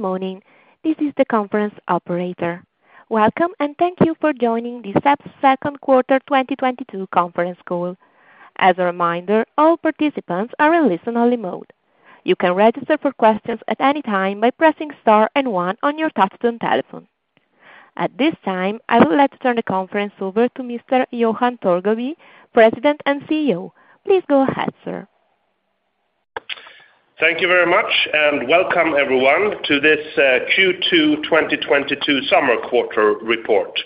Good morning. This is the conference operator. Welcome, and thank you for joining the SEB second quarter 2022 conference call. As a reminder, all participants are in listen only mode. You can register for questions at any time by pressing star and one on your touch-tone telephone. At this time, I would like to turn the conference over to Mr. Johan Torgeby, President and CEO. Please go ahead, sir. Thank you very much, and welcome everyone to this Q2 2022 summer quarter report.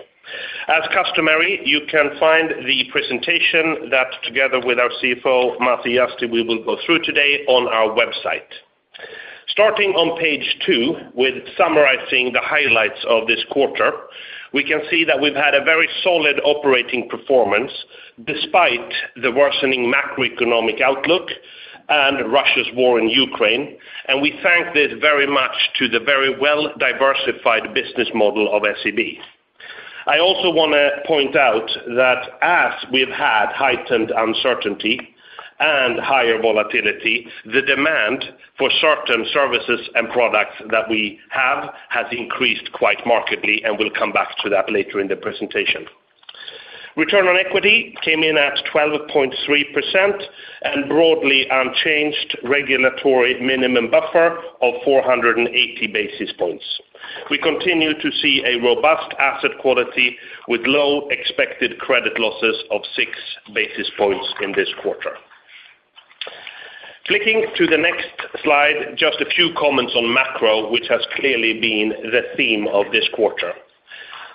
As customary, you can find the presentation that together with our CFO, Masih Yazdi, we will go through today on our website. Starting on page 2, with summarizing the highlights of this quarter, we can see that we've had a very solid operating performance despite the worsening macroeconomic outlook and Russia's war in Ukraine, and we attribute this very much to the very well-diversified business model of SEB. I also wanna point out that as we've had heightened uncertainty and higher volatility, the demand for certain services and products that we have has increased quite markedly, and we'll come back to that later in the presentation. Return on equity came in at 12.3% and broadly unchanged regulatory minimum buffer of 480 basis points. We continue to see a robust asset quality with low expected credit losses of six basis points in this quarter. Flicking to the next slide, just a few comments on macro, which has clearly been the theme of this quarter.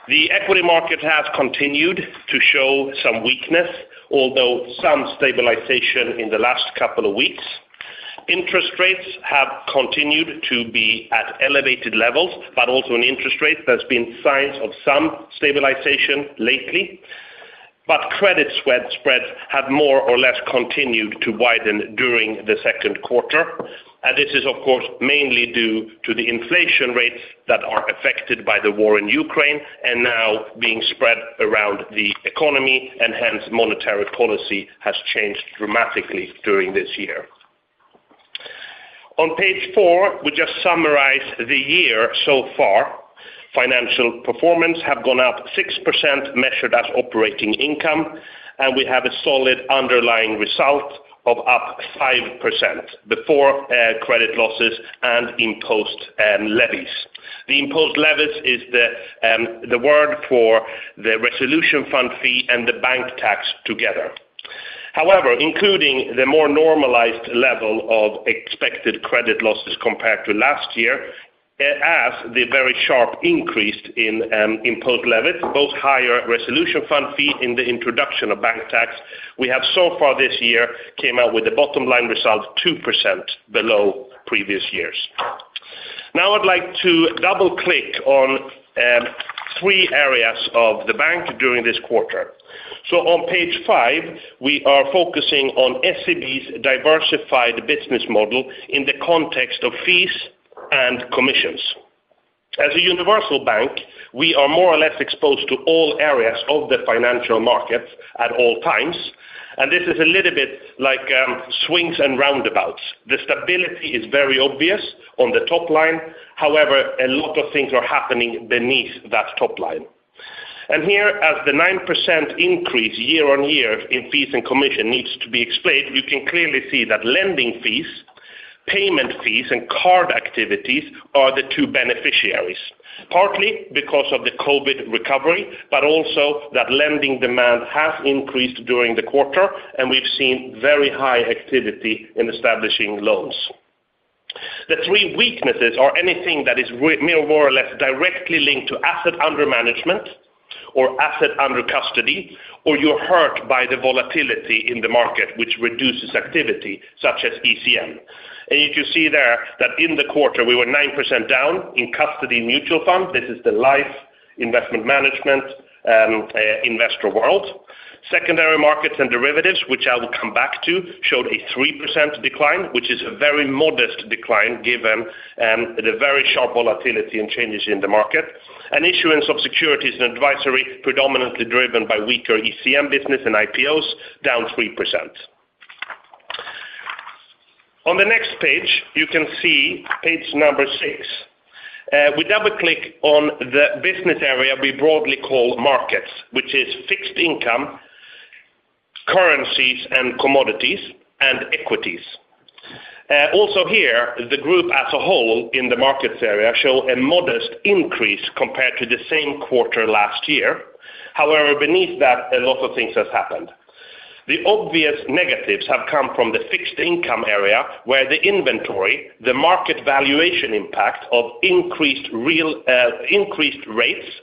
The equity market has continued to show some weakness, although some stabilization in the last couple of weeks. Interest rates have continued to be at elevated levels, but also in interest rates, there's been signs of some stabilization lately. Credit spread, spreads have more or less continued to widen during the second quarter. This is of course mainly due to the inflation rates that are affected by the war in Ukraine and now being spread around the economy and hence monetary policy has changed dramatically during this year. On page four, we just summarize the year so far. Financial performance have gone up 6% measured as operating income, and we have a solid underlying result of up 5% before credit losses and imposed levies. The imposed levies is the word for the resolution fund fee and the bank tax together. However, including the more normalized level of expected credit losses compared to last year, the very sharp increase in imposed levies, both higher resolution fund fee in the introduction of bank tax, we have so far this year came out with the bottom line result 2% below previous years. Now I'd like to double-click on three areas of the bank during this quarter. On page five, we are focusing on SEB's diversified business model in the context of fees and commissions. As a universal bank, we are more or less exposed to all areas of the financial markets at all times, and this is a little bit like swings and roundabouts. The stability is very obvious on the top line. However, a lot of things are happening beneath that top line. Here, as the 9% increase year-over-year in fees and commission needs to be explained, you can clearly see that lending fees, payment fees, and card activities are the two beneficiaries, partly because of the COVID recovery, but also that lending demand has increased during the quarter, and we've seen very high activity in establishing loans. The three weaknesses are anything that is more or less directly linked to asset under management or asset under custody, or you're hurt by the volatility in the market, which reduces activity such as ECM. You can see there that in the quarter, we were 9% down in custody mutual fund. This is the life investment management, investor world. Secondary markets and derivatives, which I will come back to, showed a 3% decline, which is a very modest decline given the very sharp volatility and changes in the market. Issuance of securities and advisory predominantly driven by weaker ECM business and IPOs down 3%. On the next page, you can see page number 6. We double-click on the business area we broadly call markets, which is fixed income, currencies and commodities, and equities. Also here, the group as a whole in the markets area show a modest increase compared to the same quarter last year. However, beneath that, a lot of things have happened. The obvious negatives have come from the fixed income area where the inventory, the market valuation impact of increased rates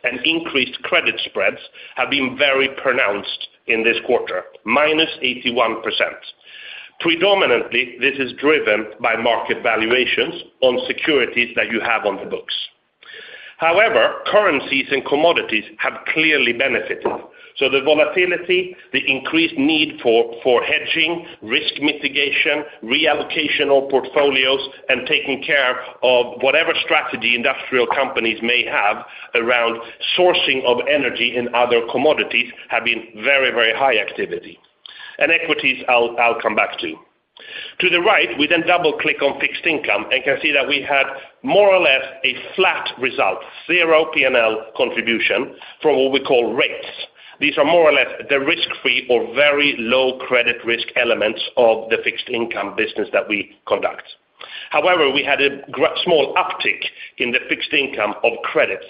and increased credit spreads have been very pronounced in this quarter, -81%. Predominantly, this is driven by market valuations on securities that you have on the books. However, currencies and commodities have clearly benefited. The volatility, the increased need for hedging, risk mitigation, reallocation of portfolios, and taking care of whatever strategy industrial companies may have around sourcing of energy and other commodities have been very, very high activity. Equities I'll come back to. To the right, we then double-click on fixed income and can see that we had more or less a flat result, 0 P&L contribution from what we call rates. These are more or less the risk-free or very low credit risk elements of the fixed income business that we conduct. However, we had a small uptick in the fixed income credit.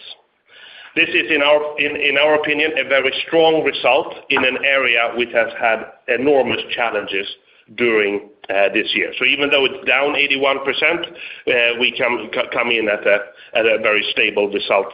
This is in our opinion, a very strong result in an area which has had enormous challenges during this year. Even though it's down 81%, we come in at a very stable result.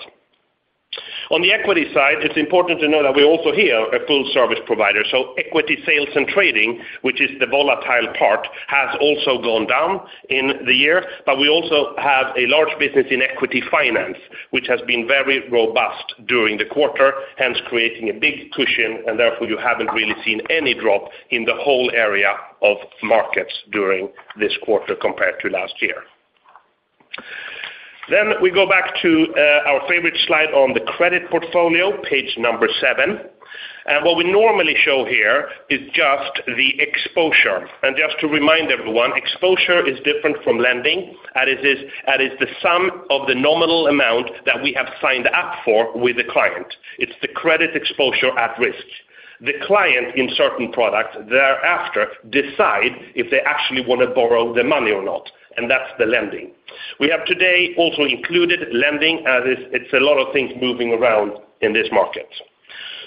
On the equity side, it's important to know that we're also here a full service provider. Equity sales and trading, which is the volatile part, has also gone down in the year. We also have a large business in equity finance, which has been very robust during the quarter, hence creating a big cushion, and therefore you haven't really seen any drop in the whole area of markets during this quarter compared to last year. We go back to our favorite slide on the credit portfolio, page number seven. What we normally show here is just the exposure. Just to remind everyone, exposure is different from lending, that is the sum of the nominal amount that we have signed up for with the client. It's the credit exposure at risk. The client in certain products thereafter decide if they actually wanna borrow the money or not, and that's the lending. We have today also included lending as it's a lot of things moving around in this market.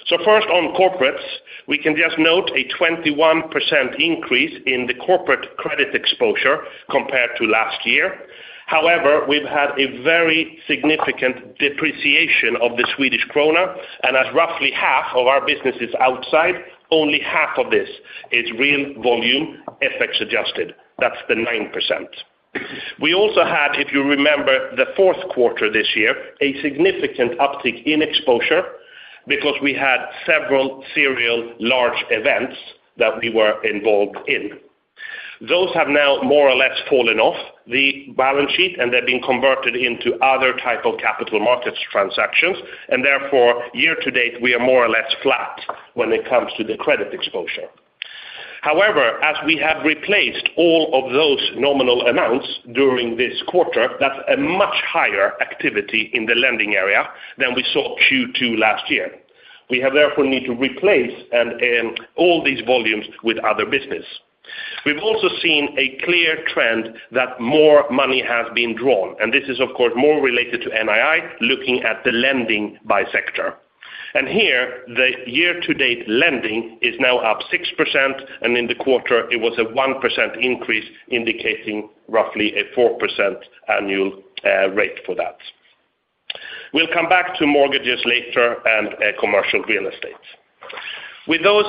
First on corporates, we can just note a 21% increase in the corporate credit exposure compared to last year. However, we've had a very significant depreciation of the Swedish krona, and as roughly half of our business is outside, only half of this is real volume FX adjusted. That's the 9%. We also had, if you remember, the fourth quarter this year, a significant uptick in exposure because we had several serial large events that we were involved in. Those have now more or less fallen off the balance sheet, and they're being converted into other type of capital markets transactions. Therefore, year to date, we are more or less flat when it comes to the credit exposure. However, as we have replaced all of those nominal amounts during this quarter, that's a much higher activity in the lending area than we saw Q2 last year. We therefore need to replace and all these volumes with other business. We've also seen a clear trend that more money has been drawn, and this is of course more related to NII, looking at the lending by sector. Here, the year-to-date lending is now up 6%, and in the quarter it was a 1% increase, indicating roughly a 4% annual rate for that. We'll come back to mortgages later and commercial real estate. With those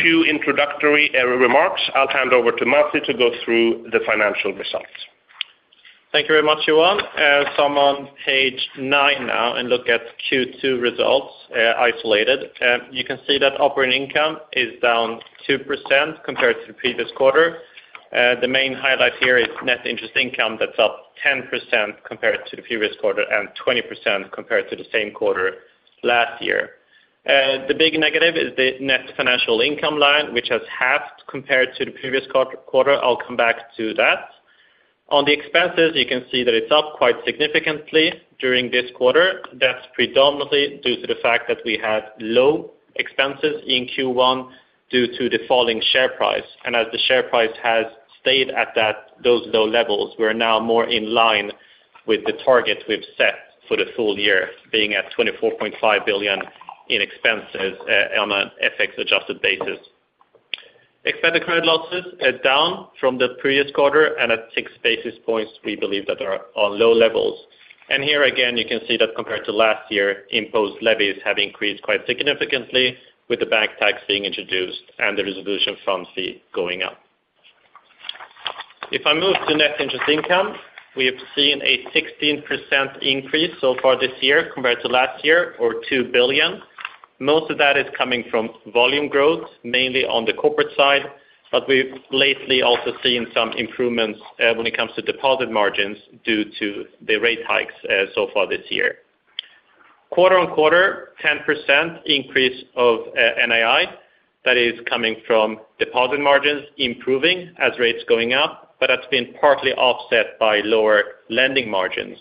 few introductory remarks, I'll hand over to Masih Yazdi to go through the financial results. Thank you very much, Johan. I'm on page nine now and look at Q2 results, isolated. You can see that operating income is down 2% compared to the previous quarter. The main highlight here is net interest income that's up 10% compared to the previous quarter and 20% compared to the same quarter last year. The big negative is the net financial income line, which has halved compared to the previous quarter. I'll come back to that. On the expenses, you can see that it's up quite significantly during this quarter. That's predominantly due to the fact that we had low expenses in Q1 due to the falling share price. As the share price has stayed at that, those low levels, we're now more in line with the target we've set for the full year, being at 24.5 billion in expenses, on an FX adjusted basis. Expected credit losses are down from the previous quarter and at 6 basis points we believe that are on low levels. Here again you can see that compared to last year, imposed levies have increased quite significantly with the bank tax being introduced and the resolution fund fee going up. If I move to net interest income, we have seen a 16% increase so far this year compared to last year or 2 billion. Most of that is coming from volume growth, mainly on the corporate side, but we've lately also seen some improvements when it comes to deposit margins due to the rate hikes so far this year. Quarter-on-quarter, 10% increase of NII. That is coming from deposit margins improving as rates going up, but that's been partly offset by lower lending margins,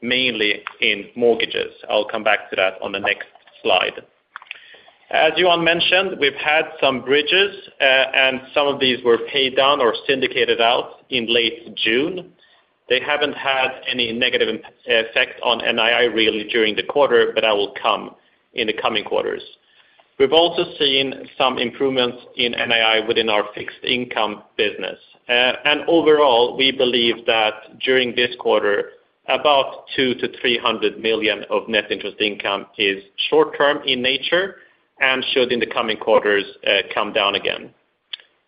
mainly in mortgages. I'll come back to that on the next slide. As Johan mentioned, we've had some bridges, and some of these were paid down or syndicated out in late June. They haven't had any negative effect on NII really during the quarter, but that will come in the coming quarters. We've also seen some improvements in NII within our fixed income business. Overall, we believe that during this quarter, about 200-300 million of net interest income is short term in nature and should in the coming quarters come down again.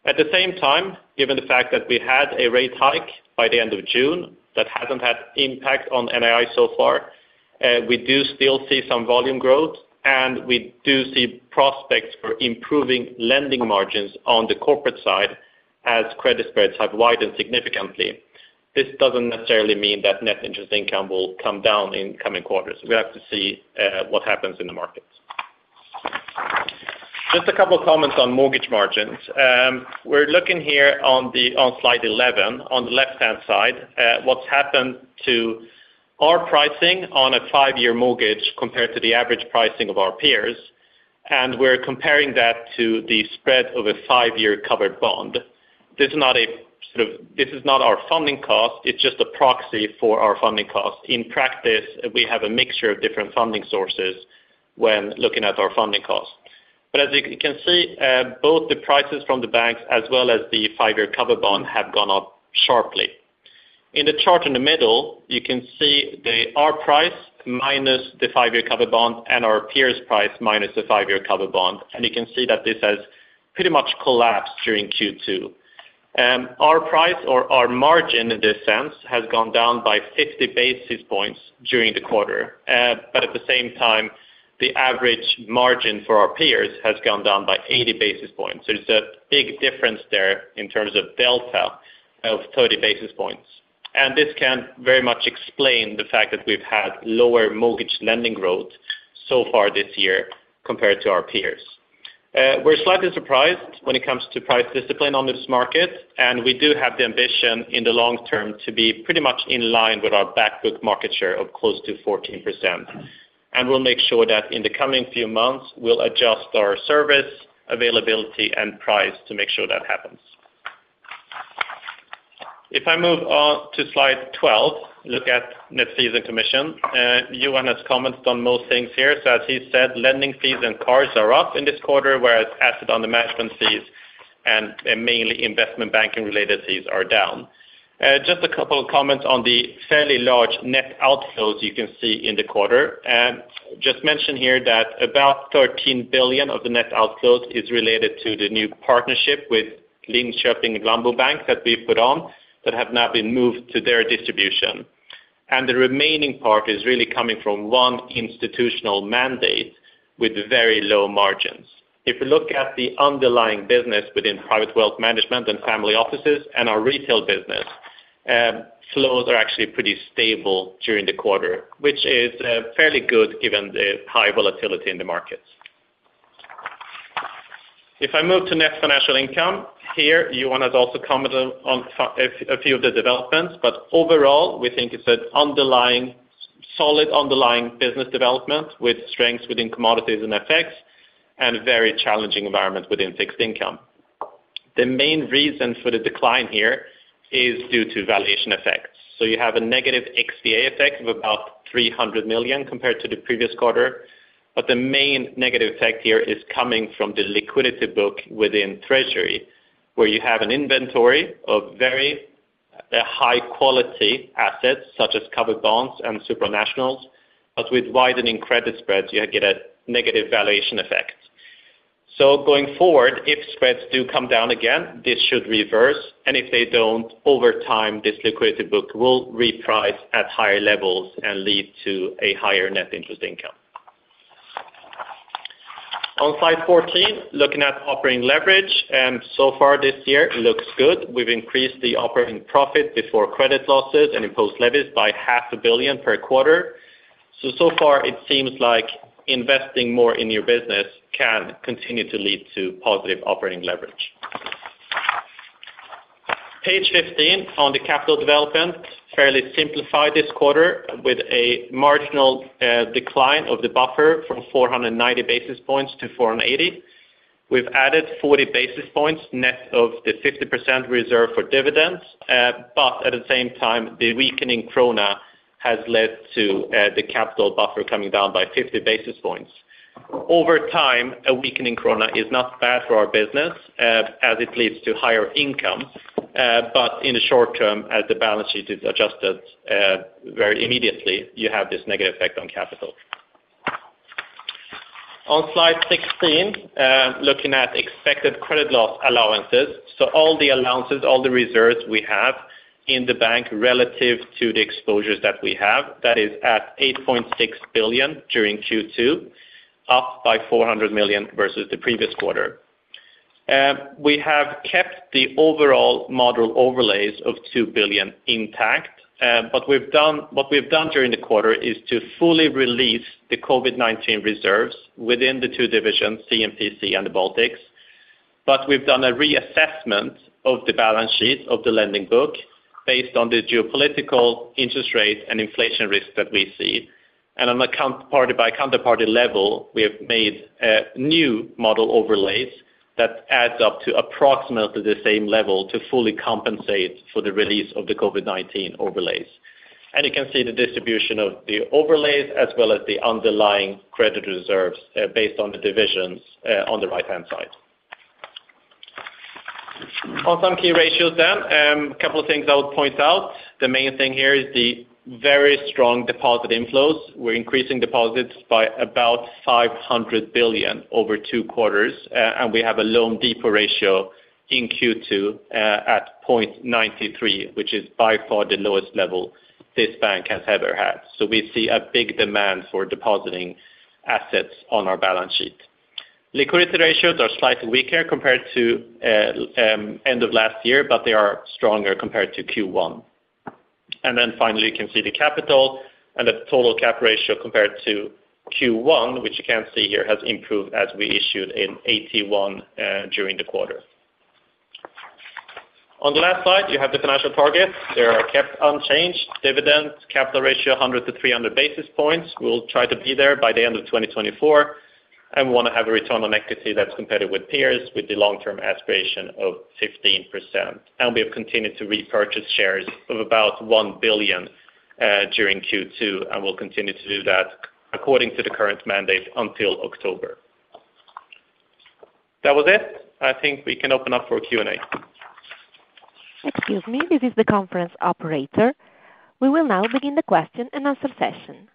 At the same time, given the fact that we had a rate hike by the end of June that hasn't had impact on NII so far, we do still see some volume growth, and we do see prospects for improving lending margins on the corporate side as credit spreads have widened significantly. This doesn't necessarily mean that net interest income will come down in coming quarters. We have to see what happens in the markets. Just a couple of comments on mortgage margins. We're looking here on the... On slide 11, on the left-hand side, at what's happened to our pricing on a 5-year mortgage compared to the average pricing of our peers, and we're comparing that to the spread of a 5-year covered bond. This is not our funding cost, it's just a proxy for our funding cost. In practice, we have a mixture of different funding sources when looking at our funding costs. As you can see, both the prices from the banks as well as the 5-year covered bond have gone up sharply. In the chart in the middle, you can see our price minus the 5-year covered bond and our peers' price minus the 5-year covered bond, and you can see that this has pretty much collapsed during Q2. Our price or our margin in this sense has gone down by 50 basis points during the quarter. At the same time, the average margin for our peers has gone down by 80 basis points. There's a big difference there in terms of delta of 30 basis points. This can very much explain the fact that we've had lower mortgage lending growth so far this year compared to our peers. We're slightly surprised when it comes to price discipline on this market, and we do have the ambition in the long term to be pretty much in line with our back book market share of close to 14%. We'll make sure that in the coming few months, we'll adjust our service availability and price to make sure that happens. If I move on to slide 12, look at net fees and commission. Johan has commented on most things here. As he said, lending fees and cards are up in this quarter, whereas assets under management fees and mainly investment banking-related fees are down. Just a couple of comments on the fairly large net outflows you can see in the quarter. Just mention here that about 13 billion of the net outflows is related to the new partnership with Länsförsäkringar and Landshypotek Bank that we put on that have now been moved to their distribution. The remaining part is really coming from one institutional mandate with very low margins. If you look at the underlying business within private wealth management and family offices and our retail business, flows are actually pretty stable during the quarter, which is fairly good given the high volatility in the markets. If I move to net financial income, here Johan has also commented on a few of the developments, but overall, we think it's an underlying solid underlying business development with strengths within commodities and FX and a very challenging environment within fixed income. The main reason for the decline here is due to valuation effects. You have a negative XVA effect of about 300 million compared to the previous quarter. The main negative effect here is coming from the liquidity book within treasury, where you have an inventory of very high-quality assets such as covered bonds and supranationals. With widening credit spreads, you get a negative valuation effect. Going forward, if spreads do come down again, this should reverse. If they don't, over time, this liquidity book will reprice at higher levels and lead to a higher net interest income. On slide 14, looking at operating leverage, so far this year looks good. We've increased the operating profit before credit losses and imposed levies by half a billion SEK per quarter. Far it seems like investing more in your business can continue to lead to positive operating leverage. Page 15 on the capital development, fairly simplified this quarter with a marginal decline of the buffer from 490 basis points to 480. We've added 40 basis points net of the 50% reserve for dividends. At the same time, the weakening krona has led to the capital buffer coming down by 50 basis points. Over time, a weakening krona is not bad for our business, as it leads to higher income. In the short term, as the balance sheet is adjusted, very immediately, you have this negative effect on capital. On slide 16, looking at expected credit loss allowances. All the allowances, all the reserves we have in the bank relative to the exposures that we have, that is at 8.6 billion during Q2, up by 400 million versus the previous quarter. We have kept the overall model overlays of 2 billion intact. What we've done during the quarter is to fully release the COVID-19 reserves within the two divisions, C&PC and the Baltics. We've done a reassessment of the balance sheet of the loan book based on the geopolitical interest rate and inflation risks that we see. On a counterparty by counterparty level, we have made new model overlays that adds up to approximately the same level to fully compensate for the release of the COVID-19 overlays. You can see the distribution of the overlays as well as the underlying credit reserves based on the divisions on the right-hand side. On some key ratios then, a couple of things I would point out. The main thing here is the very strong deposit inflows. We're increasing deposits by about 500 billion over two quarters, and we have a loan-to-deposit ratio in Q2 at 0.93, which is by far the lowest level this bank has ever had. We see a big demand for depositing assets on our balance sheet. Liquidity ratios are slightly weaker compared to end of last year, but they are stronger compared to Q1. You can see the capital and the total cap ratio compared to Q1, which you can see here has improved as we issued an AT1 during the quarter. On the last slide, you have the financial targets. They are kept unchanged. Dividends capital ratio 100-300 basis points. We'll try to be there by the end of 2024, and we wanna have a return on equity that's competitive with peers with the long-term aspiration of 15%. We have continued to repurchase shares of about 1 billion during Q2, and we'll continue to do that according to the current mandate until October. That was it. I think we can open up for Q&A. Excuse me. This is the conference operator. We will now begin the question and answer session.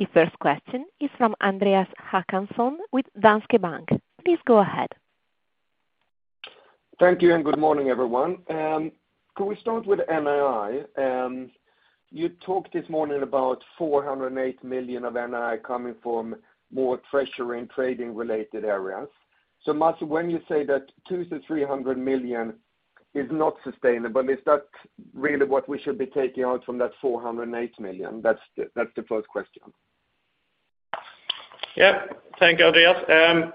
The first question is from Andreas Håkansson with Danske Bank. Please go ahead. Thank you and good morning, everyone. Could we start with NII? You talked this morning about 408 million of NII coming from more treasury and trading related areas. Masih Yazdi, when you say that 200 million-300 million is not sustainable, is that really what we should be taking out from that 408 million? That's the first question. Yeah. Thank you, Andreas.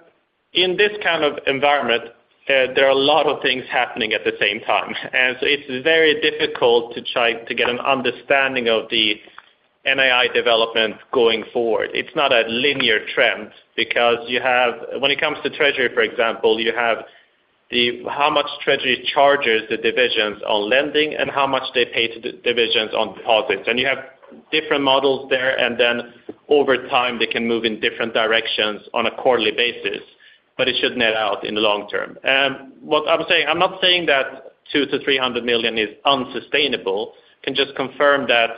In this kind of environment, there are a lot of things happening at the same time. It's very difficult to try to get an understanding of the NII development going forward. It's not a linear trend because you have. When it comes to treasury, for example, you have the how much treasury charges the divisions on lending and how much they pay to divisions on deposits. You have different models there, and then over time, they can move in different directions on a quarterly basis, but it should net out in the long term. What I'm saying, I'm not saying that 200-300 million is unsustainable. can just confirm that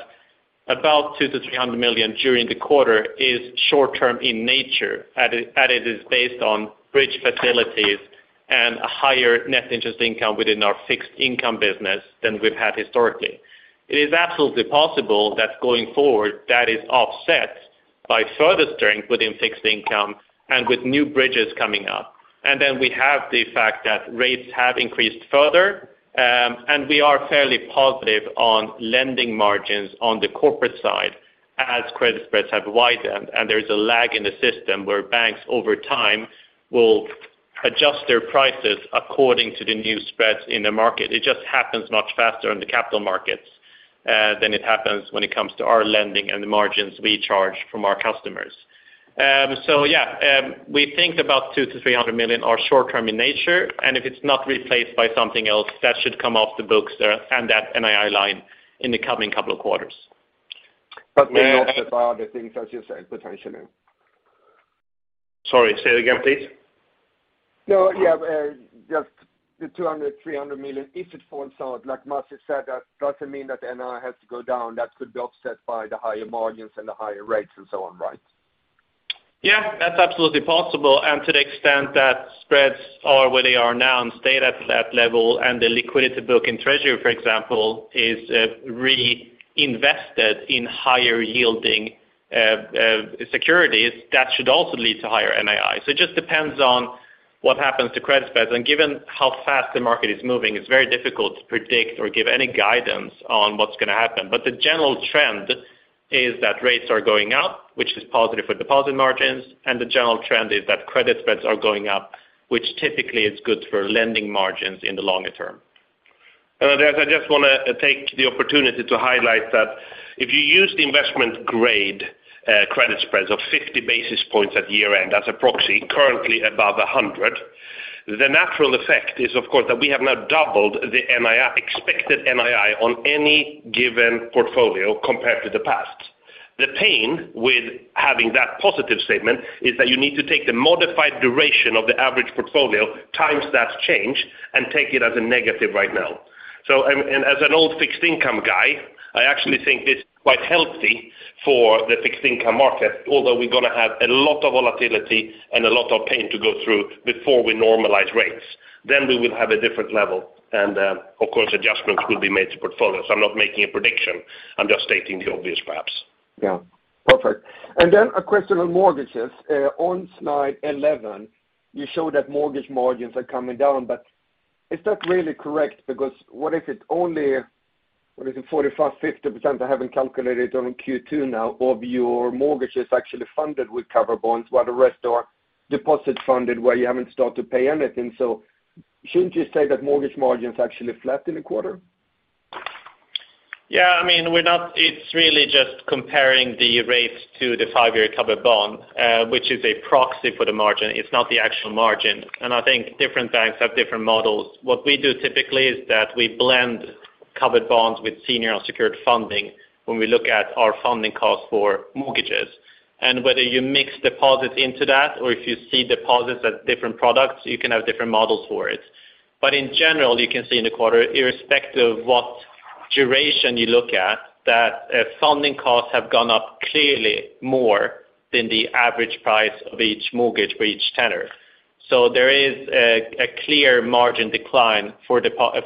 about 200-300 million during the quarter is short term in nature, and it is based on bridge facilities and a higher net interest income within our fixed income business than we've had historically. It is absolutely possible that going forward, that is offset by further strength within fixed income and with new bridges coming up. Then we have the fact that rates have increased further, and we are fairly positive on lending margins on the corporate side as credit spreads have widened, and there's a lag in the system where banks over time will adjust their prices according to the new spreads in the market. It just happens much faster in the capital markets than it happens when it comes to our lending and the margins we charge from our customers. Yeah. We think about 200-300 million are short term in nature, and if it's not replaced by something else, that should come off the books there and that NII line in the coming couple of quarters. They're not other things, as you said, potentially. Sorry. Say it again, please. No. Yeah. Just the 200 million-300 million, if it falls out, like Masih has said, that doesn't mean that NII has to go down. That could be offset by the higher margins and the higher rates and so on, right? Yeah. That's absolutely possible. To the extent that spreads are where they are now and stayed at that level, and the liquidity book in treasury, for example, is reinvested in higher yielding securities, that should also lead to higher NII. It just depends on what happens to credit spreads. Given how fast the market is moving, it's very difficult to predict or give any guidance on what's gonna happen. The general trend is that rates are going up, which is positive for deposit margins, and the general trend is that credit spreads are going up, which typically is good for lending margins in the longer term. Andreas, I just wanna take the opportunity to highlight that if you use the investment grade credit spreads of 50 basis points at year-end as a proxy, currently above 100, the natural effect is, of course, that we have now doubled the NII, expected NII on any given portfolio compared to the past. The pain with having that positive statement is that you need to take the modified duration of the average portfolio times that change and take it as a negative right now. As an old fixed income guy, I actually think this is quite healthy for the fixed income market, although we're gonna have a lot of volatility and a lot of pain to go through before we normalize rates. We will have a different level, and, of course, adjustments will be made to portfolios. I'm not making a prediction. I'm just stating the obvious, perhaps. Yeah. Perfect. A question on mortgages. On slide 11, you show that mortgage margins are coming down. Is that really correct? Because what is it? 45%-50%, I haven't calculated on Q2 now of your mortgages actually funded with covered bonds while the rest are deposit funded, where you haven't started to pay anything. Shouldn't you say that mortgage margins are actually flat in the quarter? I mean, it's really just comparing the rates to the five-year covered bond, which is a proxy for the margin. It's not the actual margin. I think different banks have different models. What we do typically is that we blend covered bonds with senior unsecured funding when we look at our funding costs for mortgages. Whether you mix deposits into that or if you see deposits at different products, you can have different models for it. In general, you can see in the quarter, irrespective of what duration you look at, that funding costs have gone up clearly more than the average price of each mortgage for each tenor. There is a clear margin decline for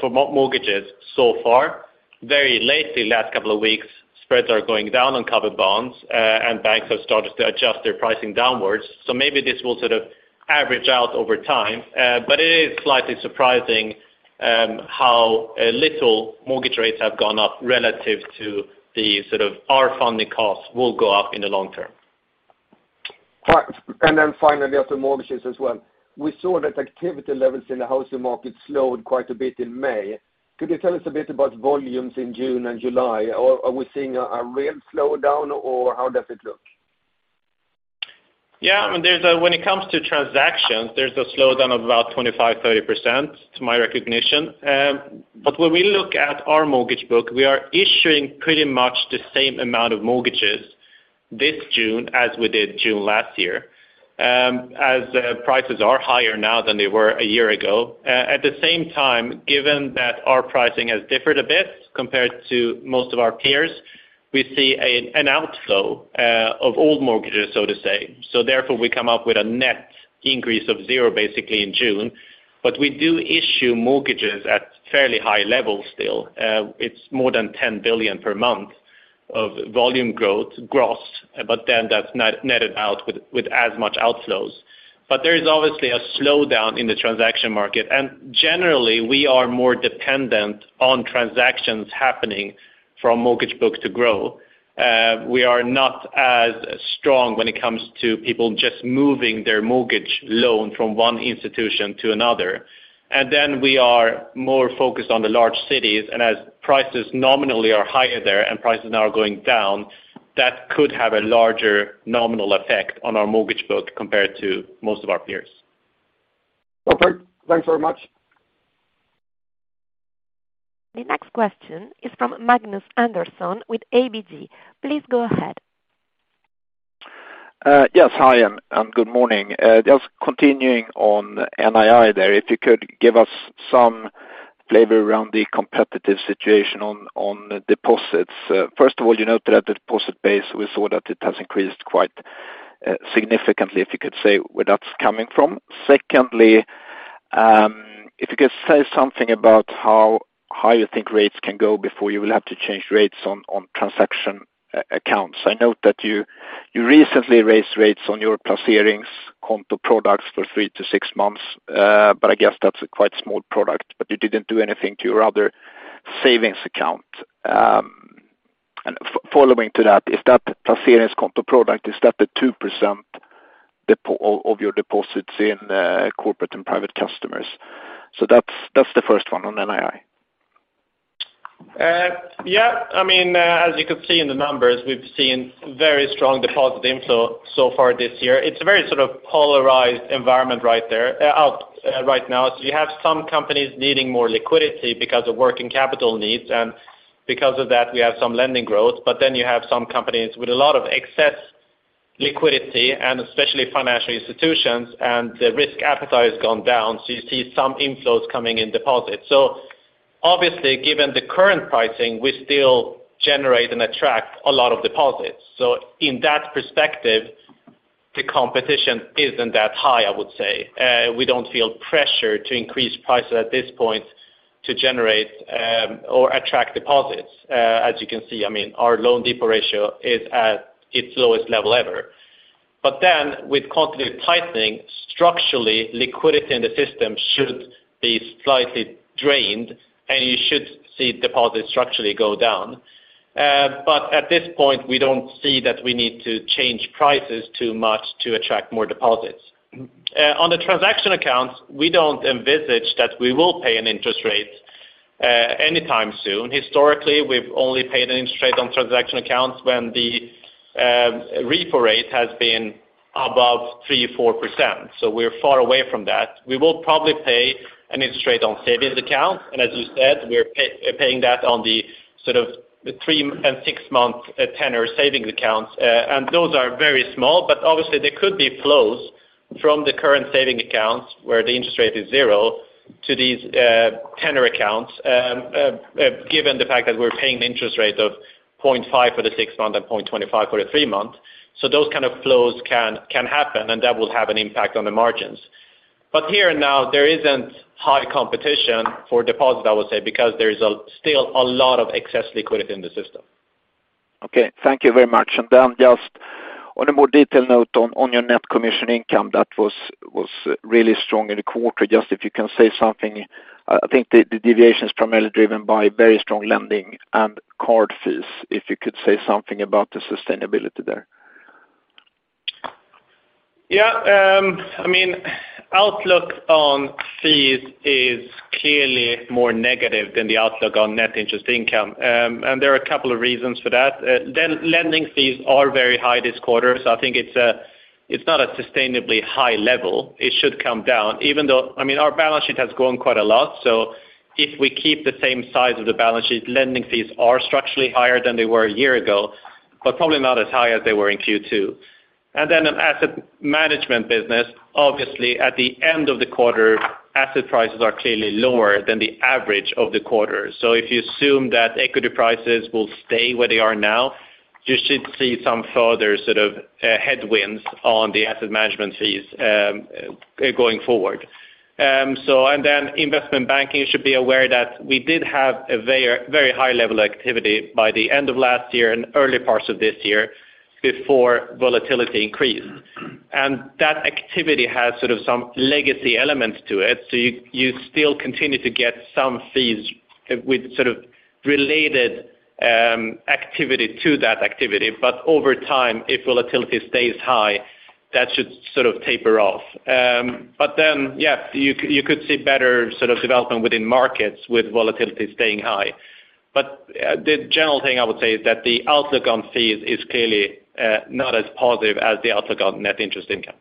mortgages so far. Very lately, last couple of weeks, spreads are going down on covered bonds, and banks have started to adjust their pricing downwards. Maybe this will sort of average out over time. It is slightly surprising, how little mortgage rates have gone up relative to the sort of our funding costs will go up in the long term. Right. Finally, after mortgages as well, we saw that activity levels in the housing market slowed quite a bit in May. Could you tell us a bit about volumes in June and July? Are we seeing a real slowdown, or how does it look? I mean, when it comes to transactions, there is a slowdown of about 25%-30% to my recollection. When we look at our mortgage book, we are issuing pretty much the same amount of mortgages this June as we did June last year, as the prices are higher now than they were a year ago. At the same time, given that our pricing has differed a bit compared to most of our peers, we see an outflow of old mortgages, so to say. Therefore, we come up with a net increase of zero, basically in June. We do issue mortgages at fairly high levels still. It is more than 10 billion per month of volume growth gross, but then that is netted out with as much outflows. There is obviously a slowdown in the transaction market, and generally, we are more dependent on transactions happening from mortgage book to grow. We are not as strong when it comes to people just moving their mortgage loan from one institution to another. Then we are more focused on the large cities, and as prices nominally are higher there and prices now are going down, that could have a larger nominal effect on our mortgage book compared to most of our peers. Okay. Thanks very much. The next question is from Magnus Andersson with ABG. Please go ahead. Yes. Hi and good morning. Just continuing on NII there, if you could give us some flavor around the competitive situation on deposits. First of all, you noted that the deposit base, we saw that it has increased quite significantly, if you could say where that's coming from. Secondly, if you could say something about how high you think rates can go before you will have to change rates on transaction accounts. I note that you recently raised rates on your Placeringskonto products for 3-6 months, but I guess that's a quite small product, but you didn't do anything to your other savings account. Following that, is that Placeringskonto product, is that the 2% of your deposits in corporate and private customers? That's the first one on NII. Yeah. I mean, as you could see in the numbers, we've seen very strong deposit inflow so far this year. It's a very sort of polarized environment right now. You have some companies needing more liquidity because of working capital needs, and because of that, we have some lending growth, but then you have some companies with a lot of excess liquidity, and especially financial institutions, and the risk appetite has gone down. You see some inflows coming in deposits. Obviously, given the current pricing, we still generate and attract a lot of deposits. In that perspective, the competition isn't that high, I would say. We don't feel pressure to increase prices at this point to generate or attract deposits. As you can see, I mean, our loan-to-deposit ratio is at its lowest level ever. With quantitative tightening, structurally, liquidity in the system should be slightly drained, and you should see deposits structurally go down. At this point, we don't see that we need to change prices too much to attract more deposits. On the transaction accounts, we don't envisage that we will pay an interest rate anytime soon. Historically, we've only paid an interest rate on transaction accounts when the repo rate has been above 3-4%. We're far away from that. We will probably pay an interest rate on savings account, and as you said, we're paying that on the sort of the three and six-month tenor savings accounts. Those are very small, but obviously there could be flows from the current savings accounts where the interest rate is zero to these tenor accounts, given the fact that we're paying an interest rate of 0.5% for the six-month and 0.25% for the three-month. Those kind of flows can happen, and that will have an impact on the margins. Here now, there isn't high competition for deposit, I would say, because there is still a lot of excess liquidity in the system. Okay. Thank you very much. Then just on a more detailed note on your net commission income, that was really strong in the quarter. Just if you can say something, I think the deviation is primarily driven by very strong lending and card fees. If you could say something about the sustainability there. Yeah. I mean, outlook on fees is clearly more negative than the outlook on net interest income. There are a couple of reasons for that. Lending fees are very high this quarter. I think it's not a sustainably high level. It should come down even though I mean, our balance sheet has grown quite a lot. If we keep the same size of the balance sheet, lending fees are structurally higher than they were a year ago, but probably not as high as they were in Q2. On asset management business, obviously, at the end of the quarter, asset prices are clearly lower than the average of the quarter. If you assume that equity prices will stay where they are now You should see some further sort of headwinds on the asset management fees going forward. Investment banking, you should be aware that we did have a very high level activity by the end of last year and early parts of this year before volatility increased. That activity has sort of some legacy elements to it. You still continue to get some fees with sort of related activity to that activity. Over time, if volatility stays high, that should sort of taper off. Then, yeah, you could see better sort of development within markets with volatility staying high. The general thing I would say is that the outlook on fees is clearly not as positive as the outlook on net interest income.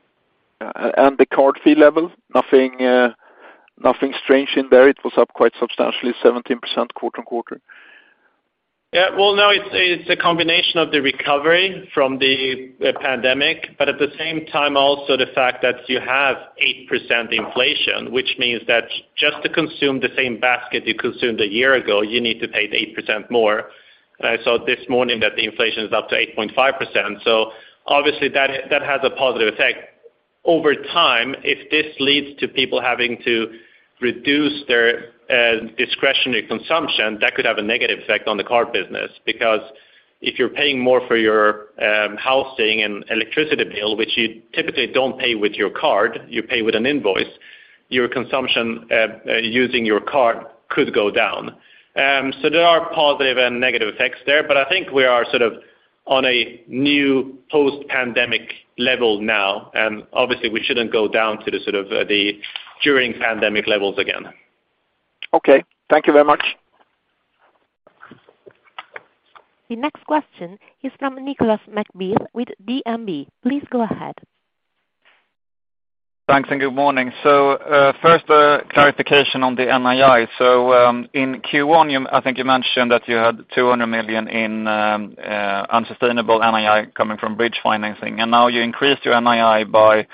The card fee level, nothing strange in there. It was up quite substantially 17% quarter-on-quarter. Yeah. Well, no, it's a combination of the recovery from the pandemic, but at the same time also the fact that you have 8% inflation, which means that just to consume the same basket you consumed a year ago, you need to pay 8% more. I saw this morning that the inflation is up to 8.5%. Obviously that has a positive effect. Over time, if this leads to people having to reduce their discretionary consumption, that could have a negative effect on the card business. Because if you're paying more for your housing and electricity bill, which you typically don't pay with your card, you pay with an invoice, your consumption using your card could go down. There are positive and negative effects there, but I think we are sort of on a new post-pandemic level now, and obviously we shouldn't go down to the sort of, the during pandemic levels again. Okay. Thank you very much. The next question is from Nicolas McBeath with DNB. Please go ahead. Thanks, and good morning. First, clarification on the NII. In Q1, I think you mentioned that you had 200 million in unsustainable NII coming from bridge financing, and now you increased your NII by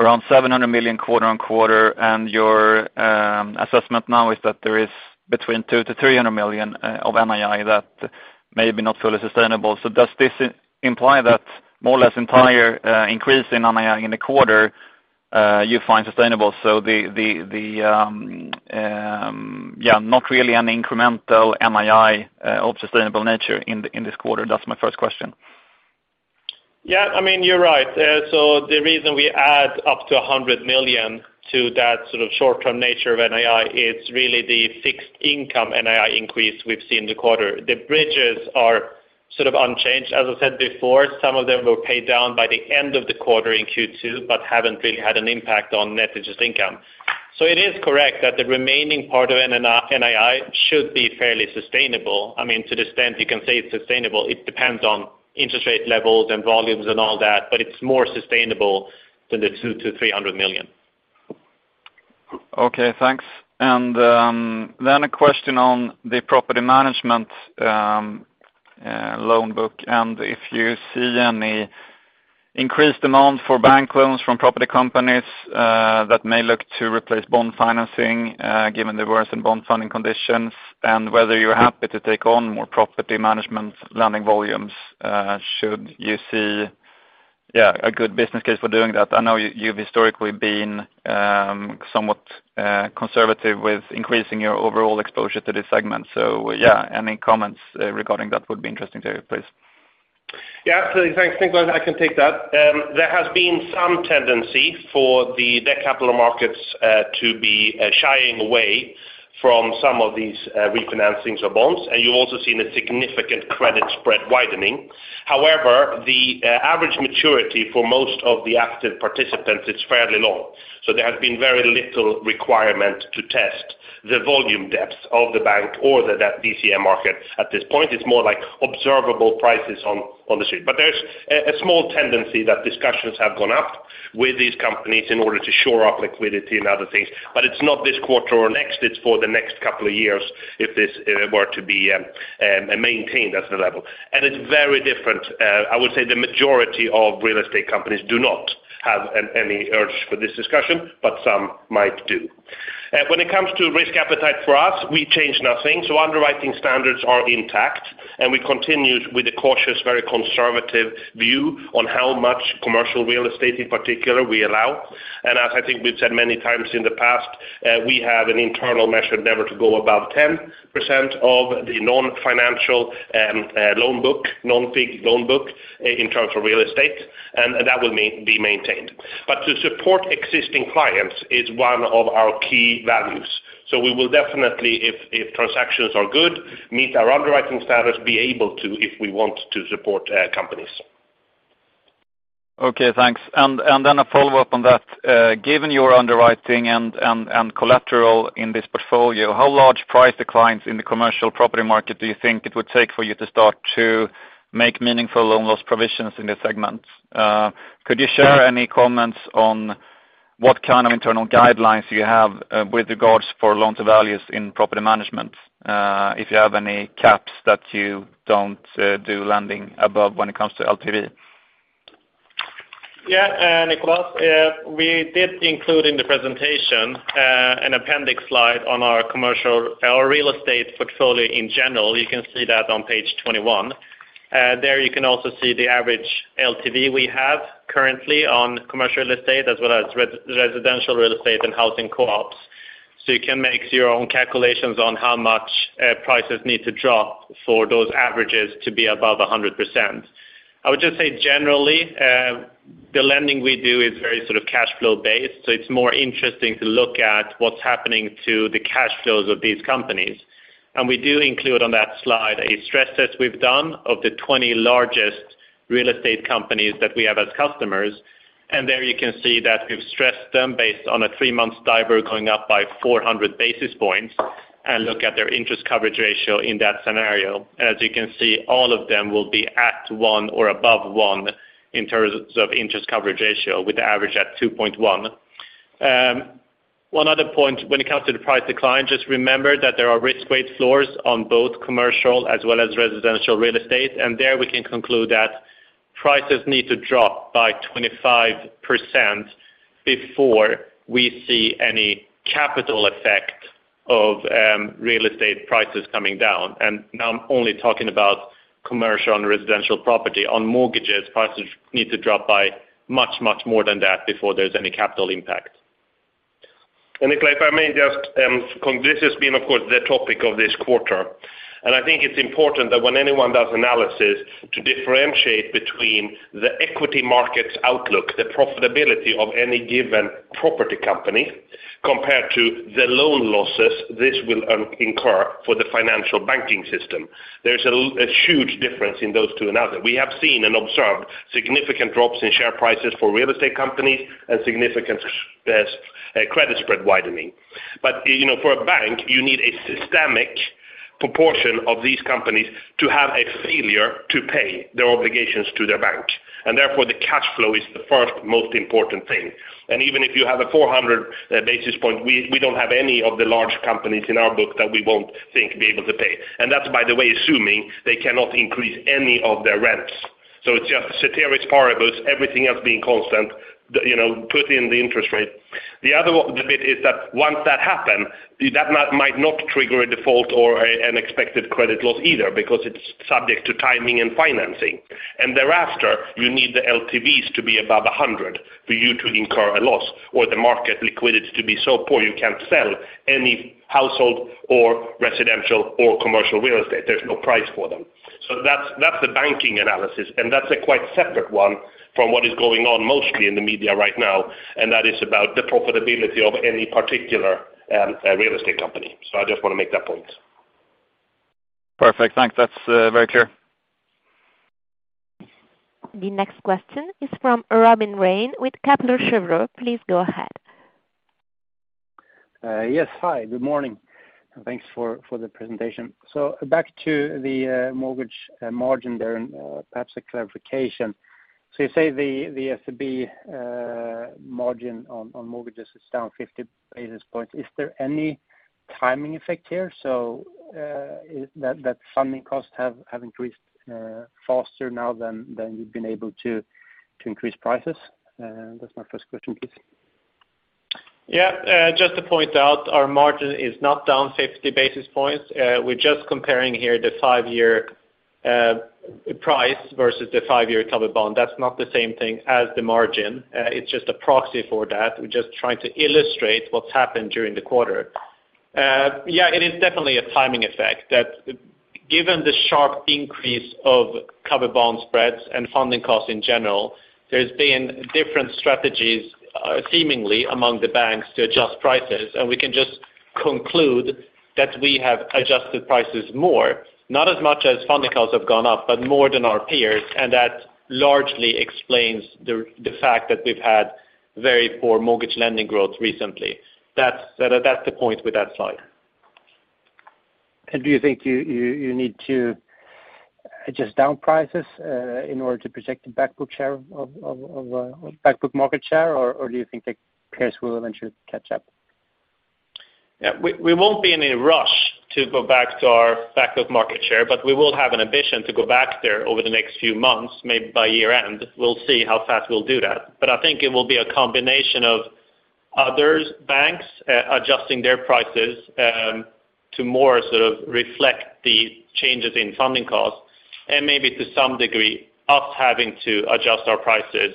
around 700 million quarter-on-quarter. Your assessment now is that there is between 200 million and 300 million of NII that may not be fully sustainable. Does this imply that more or less entire increase in NII in the quarter you find sustainable? Not really an incremental NII of sustainable nature in this quarter? That's my first question. Yeah. I mean, you're right. The reason we add up to 100 million to that sort of short-term nature of NII is really the fixed income NII increase we've seen in the quarter. The bridges are sort of unchanged. As I said before, some of them were paid down by the end of the quarter in Q2, but haven't really had an impact on net interest income. It is correct that the remaining part of NII should be fairly sustainable. I mean, to the extent you can say it's sustainable, it depends on interest rate levels and volumes and all that, but it's more sustainable than the 200-300 million. Okay, thanks. Then a question on the property management loan book, and if you see any increased demand for bank loans from property companies that may look to replace bond financing given the worsening in bond funding conditions, and whether you're happy to take on more property management lending volumes should you see a good business case for doing that? I know you've historically been somewhat conservative with increasing your overall exposure to this segment. Any comments regarding that would be interesting to hear, please. Yeah. Thanks, Nicolas. I can take that. There has been some tendency for the debt capital markets to be shying away from some of these refinancings of bonds. You've also seen a significant credit spread widening. However, the average maturity for most of the active participants is fairly long. There has been very little requirement to test the volume depth of the bank or the debt DCM market at this point. It's more like observable prices on the street. There's a small tendency that discussions have gone up with these companies in order to shore up liquidity and other things. It's not this quarter or next. It's for the next couple of years if this were to be maintained as the level. It's very different. I would say the majority of real estate companies do not have any urge for this discussion, but some might do. When it comes to risk appetite for us, we change nothing. Underwriting standards are intact, and we continue with a cautious, very conservative view on how much commercial real estate in particular we allow. As I think we've said many times in the past, we have an internal measure never to go above 10% of the non-financial loan book, non-FIG loan book in terms of real estate, and that will be maintained. To support existing clients is one of our key values. We will definitely, if transactions are good, meet our underwriting standards, be able to if we want to support companies. Okay, thanks. Then a follow-up on that. Given your underwriting and collateral in this portfolio, how large price declines in the commercial property market do you think it would take for you to start to make meaningful loan loss provisions in this segment? Could you share any comments on what kind of internal guidelines you have with regard to loan-to-value in property management? If you have any caps that you don't do lending above when it comes to LTV? Nicolas, we did include in the presentation an appendix slide on our real estate portfolio in general. You can see that on page 21. There you can also see the average LTV we have currently on commercial real estate, as well as residential real estate and housing co-ops. You can make your own calculations on how much prices need to drop for those averages to be above 100%. I would just say generally, the lending we do is very sort of cash flow based, so it's more interesting to look at what's happening to the cash flows of these companies. We do include on that slide a stress test we've done of the 20 largest real estate companies that we have as customers. There you can see that we've stressed them based on a three-month Euribor going up by four hundred basis points and look at their interest coverage ratio in that scenario. As you can see, all of them will be at one or above one in terms of interest coverage ratio with the average at 2.1. One other point when it comes to the price decline, just remember that there are risk weight floors on both commercial as well as residential real estate, and there we can conclude that prices need to drop by 25% before we see any capital effect of real estate prices coming down. Now I'm only talking about commercial and residential property. On mortgages, prices need to drop by much, much more than that before there's any capital impact. Nick, if I may just, this has been, of course, the topic of this quarter, and I think it's important that when anyone does analysis to differentiate between the equity market's outlook, the profitability of any given property company compared to the loan losses this will incur for the financial banking system. There's a huge difference in those two analysis. We have seen and observed significant drops in share prices for real estate companies and significant credit spread widening. You know, for a bank, you need a systemic proportion of these companies to have a failure to pay their obligations to their bank, and therefore, the cash flow is the first most important thing. Even if you have a 400 basis point, we don't have any of the large companies in our book that we won't think be able to pay. That's, by the way, assuming they cannot increase any of their rents. It's just ceteris paribus, everything else being constant, you know, put in the interest rate. The other bit is that once that happen, that might not trigger a default or an expected credit loss either because it's subject to timing and financing. Thereafter, you need the LTVs to be above 100 for you to incur a loss or the market liquidity to be so poor you can't sell any household or residential or commercial real estate. There's no price for them. that's the banking analysis, and that's a quite separate one from what is going on mostly in the media right now, and that is about the profitability of any particular real estate company. I just wanna make that point. Perfect. Thanks. That's very clear. The next question is from Robin Rane with Kepler Cheuvreux. Please go ahead. Yes. Hi, good morning, and thanks for the presentation. Back to the mortgage margin there and perhaps a clarification. You say the SEB margin on mortgages is down 50 basis points. Is there any timing effect here, that funding costs have increased faster now than you've been able to increase prices? That's my first question, please. Just to point out, our margin is not down 50 basis points. We're just comparing here the five-year price versus the five-year covered bond. That's not the same thing as the margin. It's just a proxy for that. We're just trying to illustrate what's happened during the quarter. Yeah, it is definitely a timing effect that given the sharp increase of covered bond spreads and funding costs in general, there's been different strategies seemingly among the banks to adjust prices. We can just conclude that we have adjusted prices more, not as much as funding costs have gone up, but more than our peers, and that largely explains the fact that we've had very poor mortgage lending growth recently. That's the point with that slide. Do you think you need to adjust down prices in order to protect the back book share of back book market share, or do you think the peers will eventually catch up? Yeah. We won't be in a rush to go back to our back book market share, but we will have an ambition to go back there over the next few months, maybe by year-end. We'll see how fast we'll do that. I think it will be a combination of other banks adjusting their prices to more sort of reflect the changes in funding costs and maybe to some degree us having to adjust our prices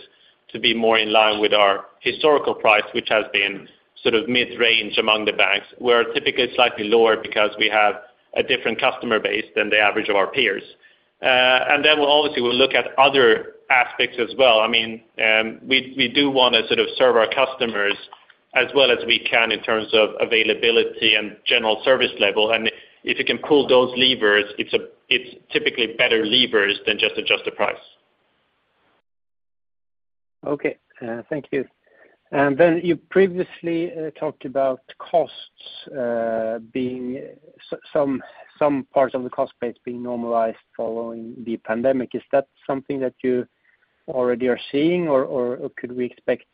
to be more in line with our historical price, which has been sort of mid-range among the banks. We're typically slightly lower because we have a different customer base than the average of our peers. We'll obviously look at other aspects as well. I mean, we do wanna sort of serve our customers as well as we can in terms of availability and general service level. If you can pull those levers, it's typically better levers than just adjust the price. Okay. Thank you. You previously talked about costs being some parts of the cost base being normalized following the pandemic. Is that something that you already are seeing, or could we expect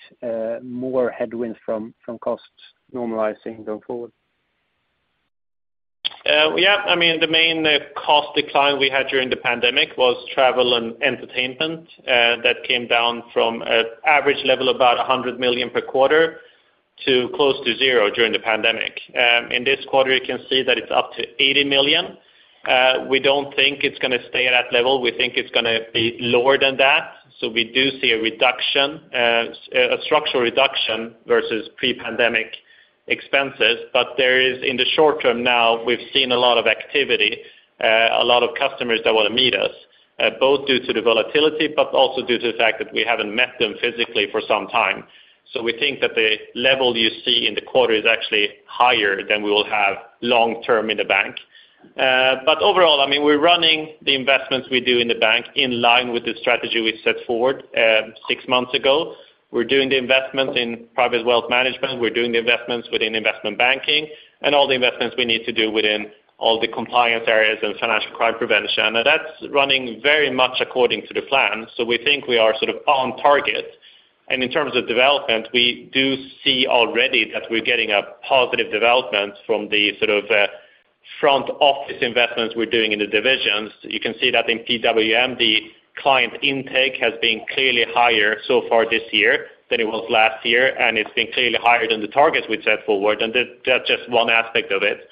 more headwinds from costs normalizing going forward? Yeah, I mean, the main cost decline we had during the pandemic was travel and entertainment that came down from average level about 100 million per quarter to close to zero during the pandemic. In this quarter, you can see that it's up to 80 million. We don't think it's gonna stay at that level. We think it's gonna be lower than that. We do see a reduction, a structural reduction versus pre-pandemic expenses. In the short term now, we've seen a lot of activity, a lot of customers that wanna meet us, both due to the volatility, but also due to the fact that we haven't met them physically for some time. We think that the level you see in the quarter is actually higher than we will have long-term in the bank. Overall, I mean, we're running the investments we do in the bank in line with the strategy we set forward six months ago. We're doing the investments in private wealth management. We're doing the investments within investment banking and all the investments we need to do within all the compliance areas and financial crime prevention. That's running very much according to the plan, so we think we are sort of on target. In terms of development, we do see already that we're getting a positive development from the sort of front office investments we're doing in the divisions. You can see that in PWM, the client intake has been clearly higher so far this year than it was last year, and it's been clearly higher than the targets we set forward. That's just one aspect of it.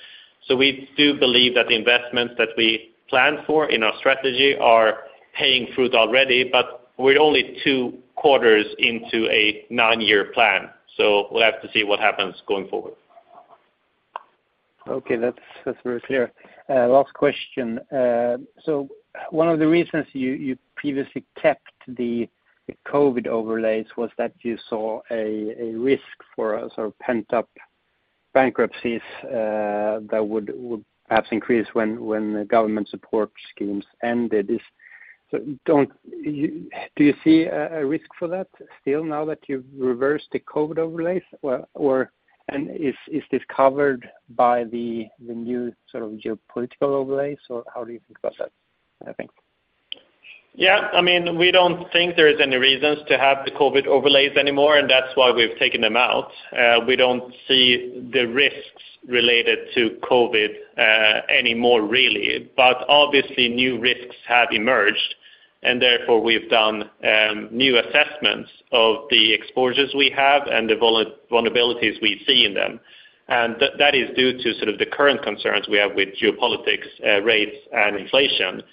We do believe that the investments that we plan for in our strategy are bearing fruit already, but we're only two quarters into a nine-year plan. We'll have to see what happens going forward. Okay, that's very clear. Last question. One of the reasons you previously kept the COVID overlays was that you saw a risk for a sort of pent-up bankruptcies that would perhaps increase when the government support schemes ended. Do you see a risk for that still now that you've reversed the COVID overlays? And is this covered by the new sort of geopolitical overlays, or how do you think about that, I think? Yeah. I mean, we don't think there is any reasons to have the COVID overlays anymore, and that's why we've taken them out. We don't see the risks related to COVID anymore really. Obviously, new risks have emerged, and therefore, we've done new assessments of the exposures we have and the vulnerabilities we see in them. That is due to sort of the current concerns we have with geopolitics, rates and inflation.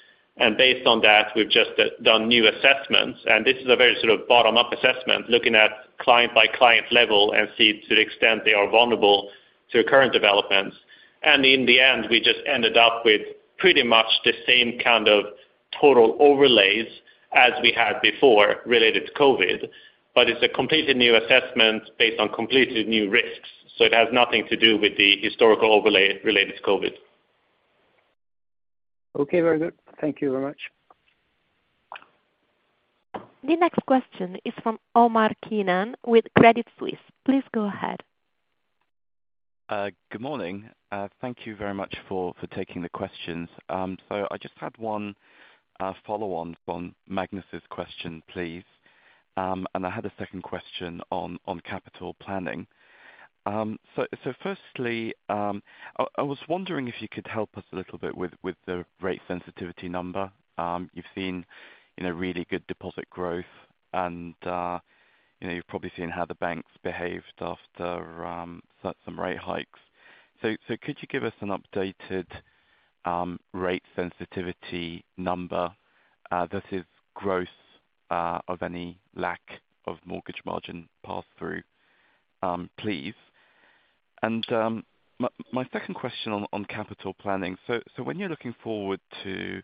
Based on that, we've just done new assessments, and this is a very sort of bottom-up assessment, looking at client-by-client level and see to the extent they are vulnerable to current developments. In the end, we just ended up with pretty much the same kind of total overlays as we had before related to COVID. It's a completely new assessment based on completely new risks, so it has nothing to do with the historical overlay related to COVID. Okay, very good. Thank you very much. The next question is from Omar Keenan with Credit Suisse. Please go ahead. Good morning. Thank you very much for taking the questions. I just had one follow-on from Magnus' question, please. I had a second question on capital planning. Firstly, I was wondering if you could help us a little bit with the rate sensitivity number. You've seen, you know, really good deposit growth and you know, you've probably seen how the banks behaved after some rate hikes. Could you give us an updated rate sensitivity number that is gross of any lack of mortgage margin pass through, please? My second question on capital planning. When you're looking forward to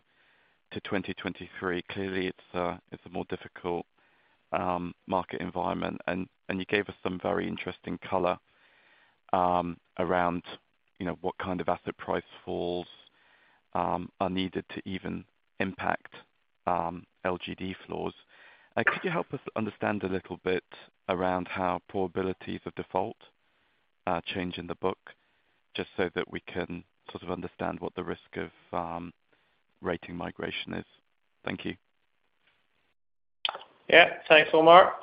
2023, clearly it's a more difficult market environment, and you gave us some very interesting color around, you know, what kind of asset price falls are needed to even impact LGD floors. Could you help us understand a little bit around how probabilities of default are changing the book, just so that we can sort of understand what the risk of rating migration is? Thank you. Yeah. Thanks, Omar.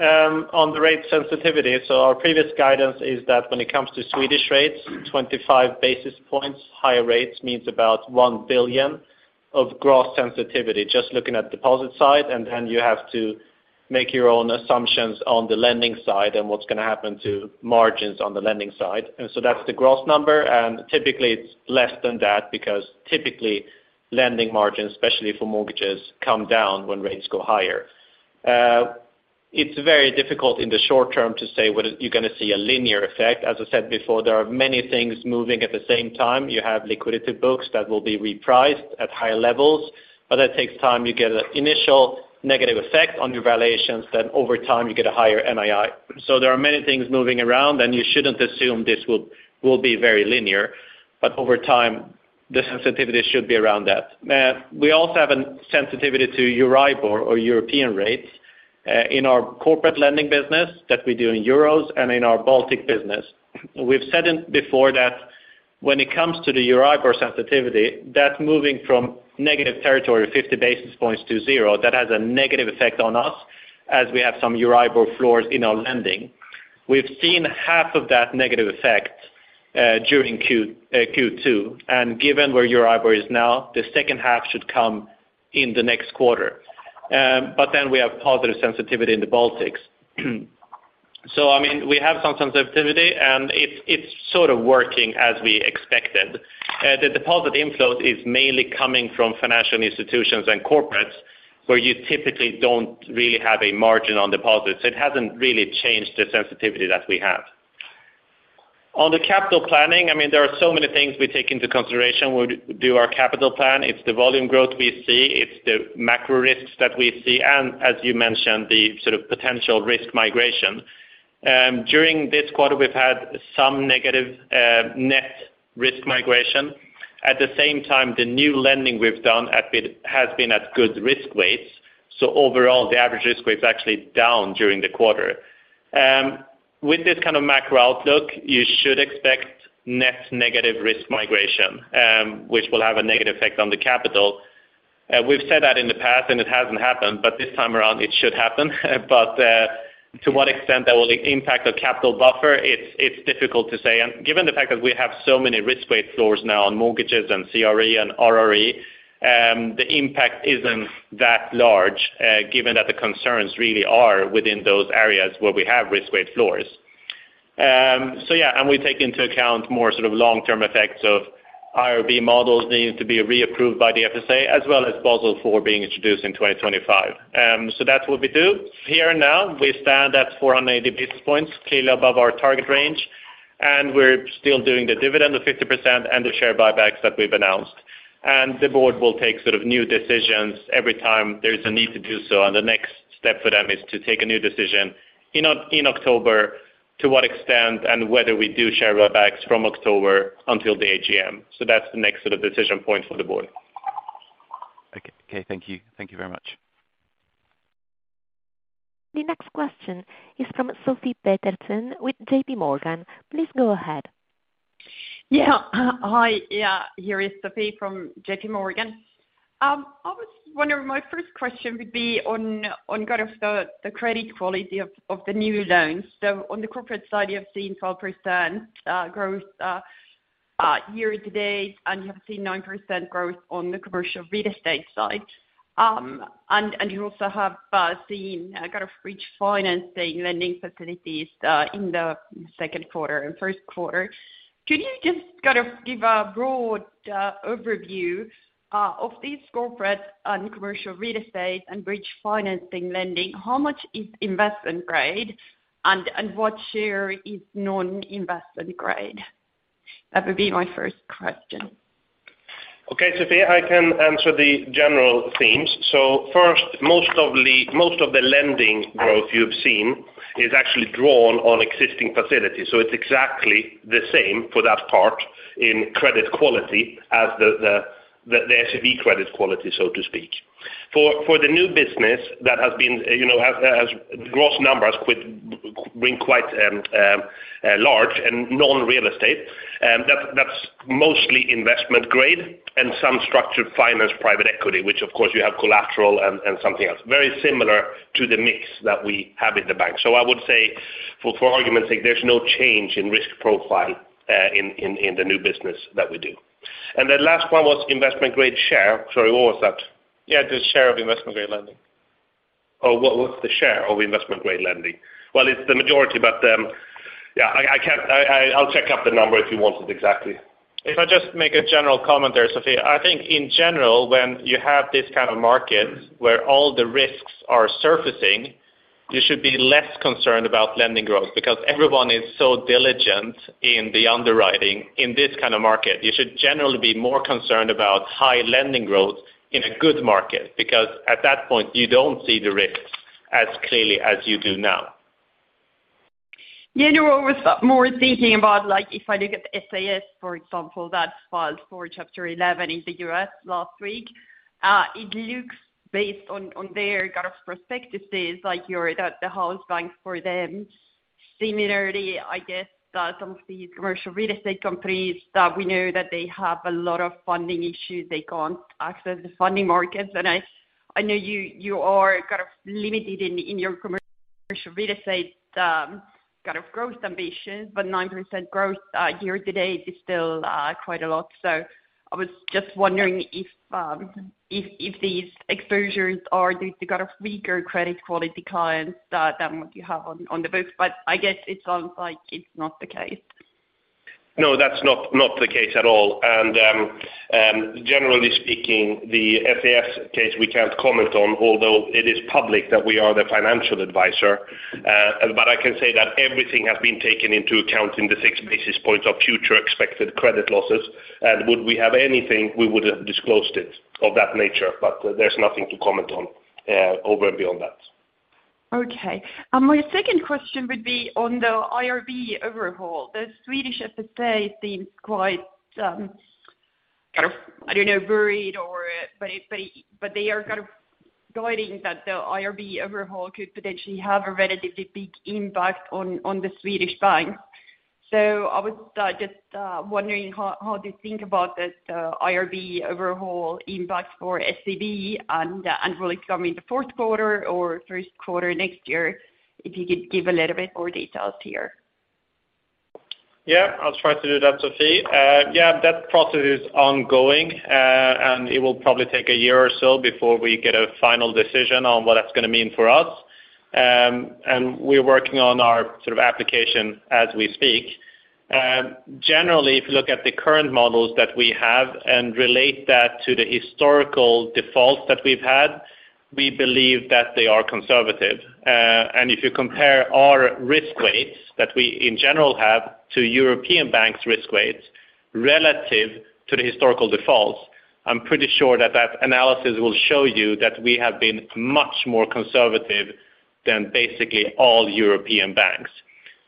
On the rate sensitivity, our previous guidance is that when it comes to Swedish rates, 25 basis points higher rates means about 1 billion of gross sensitivity, just looking at deposit side. Then you have to make your own assumptions on the lending side and what's gonna happen to margins on the lending side. That's the gross number, and typically it's less than that because typically lending margins, especially for mortgages, come down when rates go higher. It's very difficult in the short term to say whether you're gonna see a linear effect. As I said before, there are many things moving at the same time. You have liquidity books that will be repriced at higher levels, but that takes time. You get an initial negative effect on your valuations, then over time you get a higher NII. There are many things moving around, and you shouldn't assume this will be very linear. Over time, the sensitivity should be around that. We also have a sensitivity to Euribor or European rates in our corporate lending business that we do in euros and in our Baltic business. We've said it before that when it comes to the Euribor sensitivity, that's moving from negative territory, 50 basis points to zero. That has a negative effect on us as we have some Euribor floors in our lending. We've seen half of that negative effect during Q2, and given where Euribor is now, the second half should come in the next quarter. We have positive sensitivity in the Baltics. I mean, we have some sensitivity and it's sort of working as we expected. The deposit inflows is mainly coming from financial institutions and corporates, where you typically don't really have a margin on deposits. It hasn't really changed the sensitivity that we have. On the capital planning, I mean, there are so many things we take into consideration. We do our capital plan. It's the volume growth we see, it's the macro risks that we see and as you mentioned, the sort of potential risk migration. During this quarter, we've had some negative net risk migration. At the same time, the new lending we've done at mid has been at good risk weights. So overall the average risk weight is actually down during the quarter. With this kind of macro outlook, you should expect net negative risk migration, which will have a negative effect on the capital. We've said that in the past, and it hasn't happened, but this time around it should happen. To what extent that will impact the capital buffer, it's difficult to say. Given the fact that we have so many risk weight floors now on mortgages and CRE and RRE, the impact isn't that large, given that the concerns really are within those areas where we have risk weight floors. We take into account more sort of long term effects of IRB models needing to be reapproved by the FSA as well as Basel IV being introduced in 2025. That's what we do. Here now we stand at 480 basis points, clearly above our target range, and we're still doing the dividend of 50% and the share buybacks that we've announced. The board will take sort of new decisions every time there's a need to do so, and the next step for them is to take a new decision in October to what extent and whether we do share buybacks from October until the AGM. That's the next sort of decision points for the board. Okay. Thank you. Thank you very much. The next question is from Sophie Peterzén with J.P. Morgan. Please go ahead. This is Sophie from J.P. Morgan. I was wondering. My first question would be on kind of the credit quality of the new loans. On the corporate side, you have seen 12% growth year to date, and you have seen 9% growth on the commercial real estate side. You also have seen kind of RCF lending facilities in the second quarter and first quarter. Could you just kind of give a broad overview of these corporate and commercial real estate and bridge financing lending? How much is investment grade and what share is non-investment grade? That would be my first question. Okay, Sophie, I can answer the general themes. First, most of the lending growth you've seen is actually drawn on existing facilities. It's exactly the same for that part in credit quality as the SEB credit quality, so to speak. For the new business that has been, you know, has gross numbers growing quite large and non-real estate, that's mostly investment grade and some structured finance private equity, which of course you have collateral and something else. Very similar to the mix that we have in the bank. I would say, for argument's sake, there's no change in risk profile in the new business that we do. The last one was investment grade share. Sorry, what was that? Yeah, the share of investment grade lending. What's the share of investment grade lending? Well, it's the majority, but yeah, I can't. I'll check up the number if you want it exactly. If I just make a general comment there, Sophie. I think in general when you have this kind of market where all the risks are surfacing, you should be less concerned about lending growth because everyone is so diligent in the underwriting in this kind of market. You should generally be more concerned about high lending growth in a good market, because at that point you don't see the risks as clearly as you do now. Yeah. No. I was more thinking about, like, if I look at the SAS, for example, that filed for Chapter 11 in the U.S. last week, it looks based on their kind of perspectives, like you're the house bank for them. Similarly, I guess that some of these commercial real estate companies that we know that they have a lot of funding issues, they can't access the funding markets. I know you are kind of limited in your commercial real estate kind of growth ambitions, but 9% growth year to date is still quite a lot. I was just wondering if these exposures are the kind of weaker credit quality clients than what you have on the books. I guess it sounds like it's not the case. No, that's not the case at all. Generally speaking, the SAS case we can't comment on, although it is public that we are the financial advisor. I can say that everything has been taken into account in the six basis points of future expected credit losses. Would we have anything, we would have disclosed it of that nature. There's nothing to comment on over and beyond that. Okay. My second question would be on the IRB overhaul. The Swedish FSA seems quite kind of, I don't know, worried. But they are kind of guiding that the IRB overhaul could potentially have a relatively big impact on the Swedish banks. So I was just wondering how do you think about this IRB overhaul impact for SEB and will it come in the fourth quarter or first quarter next year? If you could give a little bit more details here. Yeah, I'll try to do that, Sophie. Yeah, that process is ongoing. It will probably take a year or so before we get a final decision on what that's gonna mean for us. We're working on our sort of application as we speak. Generally, if you look at the current models that we have and relate that to the historical defaults that we've had, we believe that they are conservative. If you compare our risk weights that we in general have to European banks' risk weights relative to the historical defaults, I'm pretty sure that that analysis will show you that we have been much more conservative than basically all European banks.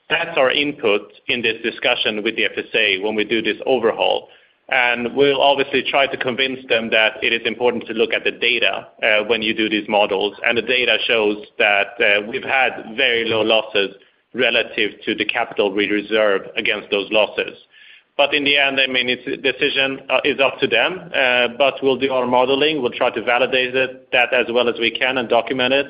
That's our input in this discussion with the FSA when we do this overhaul, and we'll obviously try to convince them that it is important to look at the data, when you do these models. The data shows that we've had very low losses relative to the capital we reserve against those losses. In the end, I mean, it's their decision is up to them. We'll do our modeling. We'll try to validate it, that as well as we can and document it.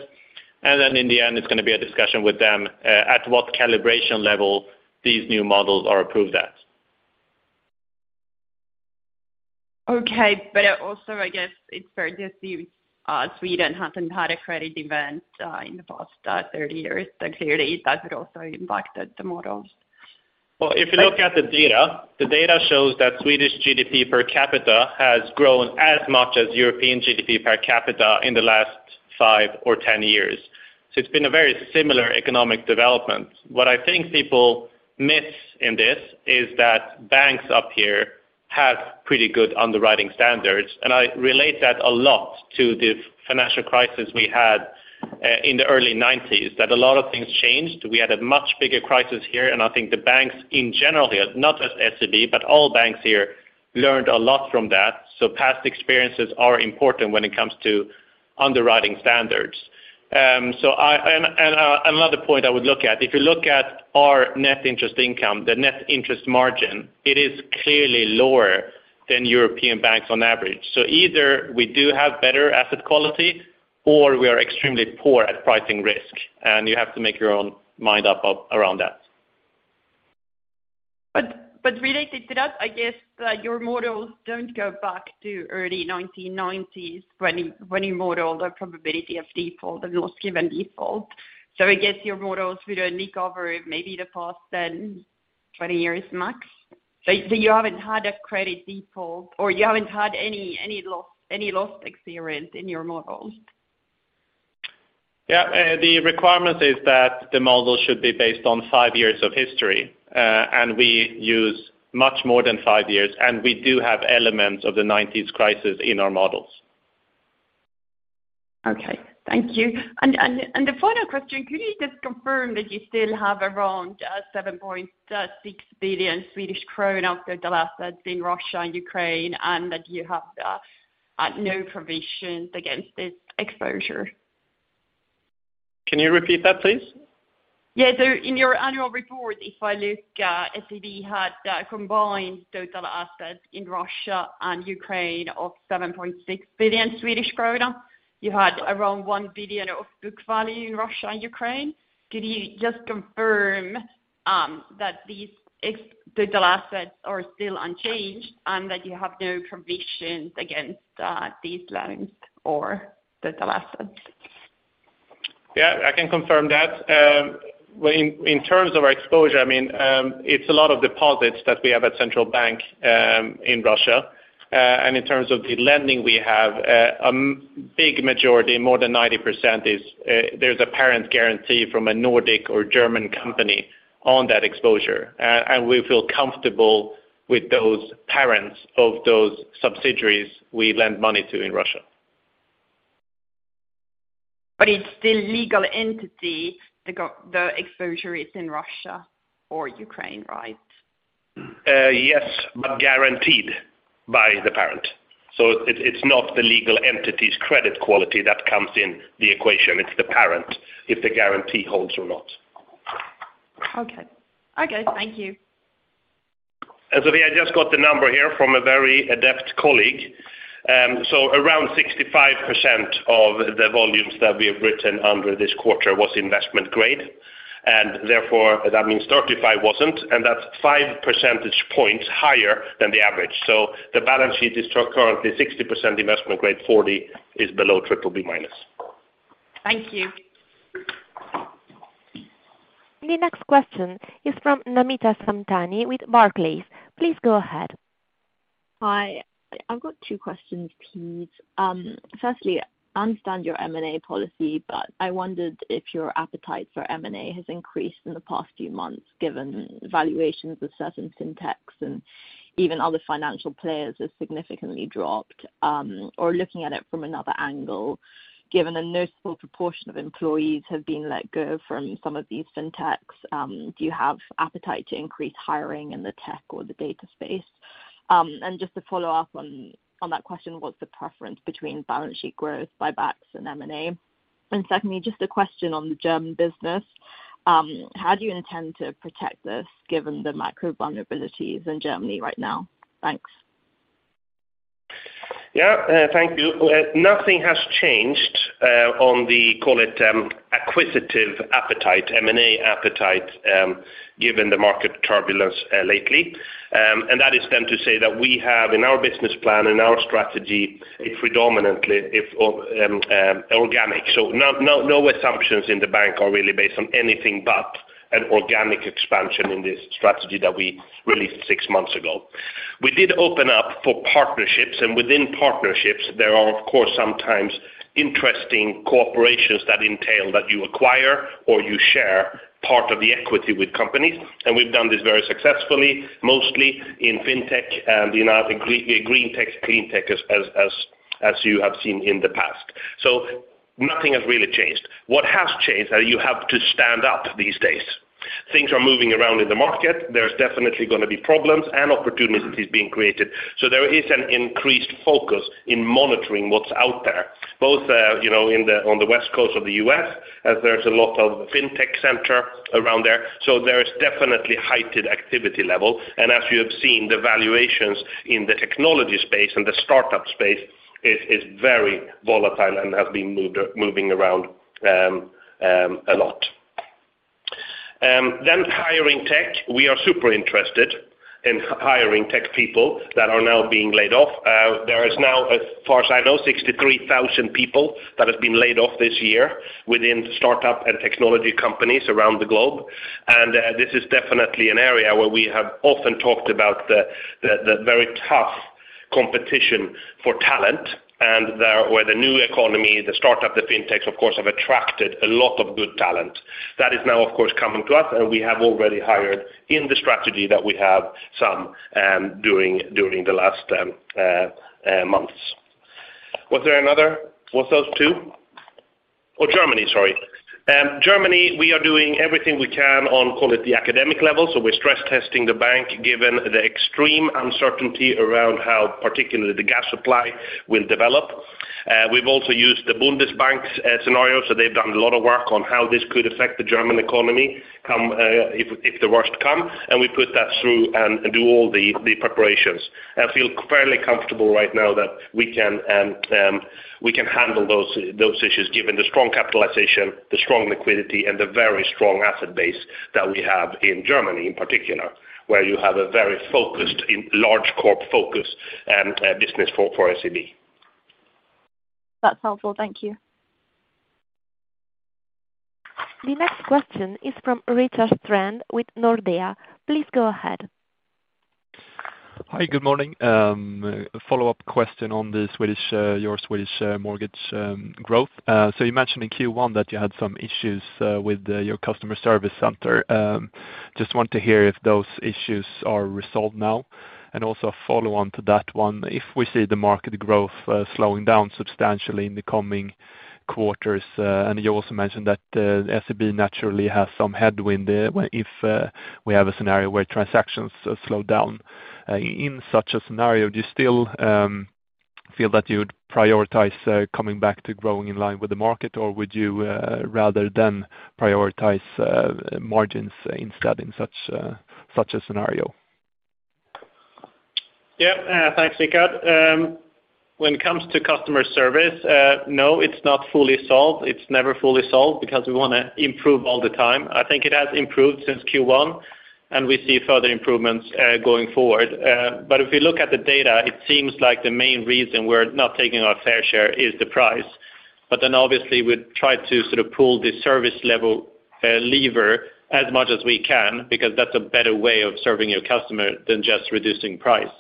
In the end, it's gonna be a discussion with them, at what calibration level these new models are approved at. Okay. Also I guess it's fair to say, Sweden hasn't had a credit event, in the past 30 years, so clearly that has also impacted the models. Well, if you look at the data, the data shows that Swedish GDP per capita has grown as much as European GDP per capita in the last 5 or 10 years. It's been a very similar economic development. What I think people miss in this is that banks up here have pretty good underwriting standards, and I relate that a lot to the financial crisis we had in the early 1990s, that a lot of things changed. We had a much bigger crisis here, and I think the banks in general here, not just SEB, but all banks here, learned a lot from that. Past experiences are important when it comes to underwriting standards. Another point I would look at, if you look at our net interest income, the net interest margin, it is clearly lower than European banks on average. Either we do have better asset quality, or we are extremely poor at pricing risk, and you have to make your own mind up around that. Related to that, I guess, your models don't go back to early 1990s when you model the probability of default and loss given default. I guess your models will only cover maybe the past 10-20 years max. You haven't had a credit default or you haven't had any loss experience in your models. The requirement is that the model should be based on five years of history. We use much more than five years, and we do have elements of the nineties crisis in our models. Okay. Thank you. The final question, could you just confirm that you still have around 7.6 billion Swedish kronor of total assets in Russia and Ukraine, and that you have no provisions against this exposure? Can you repeat that, please? Yeah. In your annual report, if I look, SEB had combined total assets in Russia and Ukraine of 7.6 billion Swedish krona. You had around 1 billion of book value in Russia and Ukraine. Could you just confirm that these total assets are still unchanged and that you have no provisions against these loans or total assets? Yeah, I can confirm that. Well, in terms of our exposure, I mean, it's a lot of deposits that we have at Central Bank in Russia. In terms of the lending, we have a big majority, more than 90% is there's a parent guarantee from a Nordic or German company on that exposure. We feel comfortable with those parents of those subsidiaries we lend money to in Russia. It's the legal entity the exposure is in Russia or Ukraine, right? Yes, guaranteed by the parent. It's not the legal entity's credit quality that comes in the equation. It's the parent if the guarantee holds or not. Okay, thank you. Sophie, I just got the number here from a very adept colleague. Around 65% of the volumes that we have underwritten this quarter was investment grade, and therefore that means 35% wasn't, and that's 5 percentage points higher than the average. The balance sheet is currently 60% investment grade, 40% is below triple B minus. Thank you. The next question is from Namita Samtani with Barclays. Please go ahead. Hi. I've got two questions, please. Firstly, I understand your M&A policy, but I wondered if your appetite for M&A has increased in the past few months, given valuations of certain FinTechs and even other financial players have significantly dropped. Or looking at it from another angle, given a notable proportion of employees have been let go from some of these FinTechs, do you have appetite to increase hiring in the tech or the data space? And just to follow up on that question, what's the preference between balance sheet growth, buybacks and M&A? And secondly, just a question on the German business. How do you intend to protect this given the macro vulnerabilities in Germany right now? Thanks. Yeah. Thank you. Nothing has changed on the call, it's acquisitive appetite, M&A appetite given the market turbulence lately. That is then to say that we have in our business plan and our strategy is predominantly organic. No assumptions in the bank are really based on anything but an organic expansion in this strategy that we released six months ago. We did open up for partnerships, and within partnerships there are of course sometimes interesting corporations that entail that you acquire or you share part of the equity with companies. We've done this very successfully, mostly in fintech and, you know, the green-greentech, clean tech as you have seen in the past. Nothing has really changed. What has changed is you have to stand out these days. Things are moving around in the market. There's definitely gonna be problems and opportunities being created. There is an increased focus in monitoring what's out there, both on the West Coast of the U.S. as there's a lot of fintech center around there. There is definitely heightened activity level. As you have seen, the valuations in the technology space and the startup space is very volatile and have been moving around a lot. Hiring tech. We are super interested in hiring tech people that are now being laid off. There is now, as far as I know, 63,000 people that have been laid off this year within startup and technology companies around the globe. This is definitely an area where we have often talked about the very tough competition for talent and there where the new economy, the startup, the fintechs of course have attracted a lot of good talent. That is now of course coming to us. We have already hired in the strategy that we have some during the last months. Was there another? Was those two? Oh, Germany. Sorry. Germany, we are doing everything we can on call it the academic level. So we're stress testing the bank given the extreme uncertainty around how particularly the gas supply will develop. We've also used the Deutsche Bundesbank's scenario, so they've done a lot of work on how this could affect the German economy if the worst comes, and we put that through and do all the preparations. I feel fairly comfortable right now that we can handle those issues given the strong capitalization, the strong liquidity, and the very strong asset base that we have in Germany in particular, where you have a very focused Large Corporates focus business for SEB. That's helpful. Thank you. The next question is from Rickard Strand with Nordea. Please go ahead. Hi. Good morning. A follow-up question on your Swedish mortgage growth. So you mentioned in Q1 that you had some issues with your customer service center. Just want to hear if those issues are resolved now. Also a follow on to that one, if we see the market growth slowing down substantially in the coming quarters. You also mentioned that SEB naturally has some headwind there if we have a scenario where transactions slow down. In such a scenario, do you still feel that you would prioritize coming back to growing in line with the market? Or would you rather than prioritize margins instead in such a scenario? Yeah. Thanks, Rickard. When it comes to customer service, no, it's not fully solved. It's never fully solved because we wanna improve all the time. I think it has improved since Q1, and we see further improvements going forward. If you look at the data, it seems like the main reason we're not taking our fair share is the price. Obviously we try to sort of pull the service level lever as much as we can because that's a better way of serving your customer than just reducing price.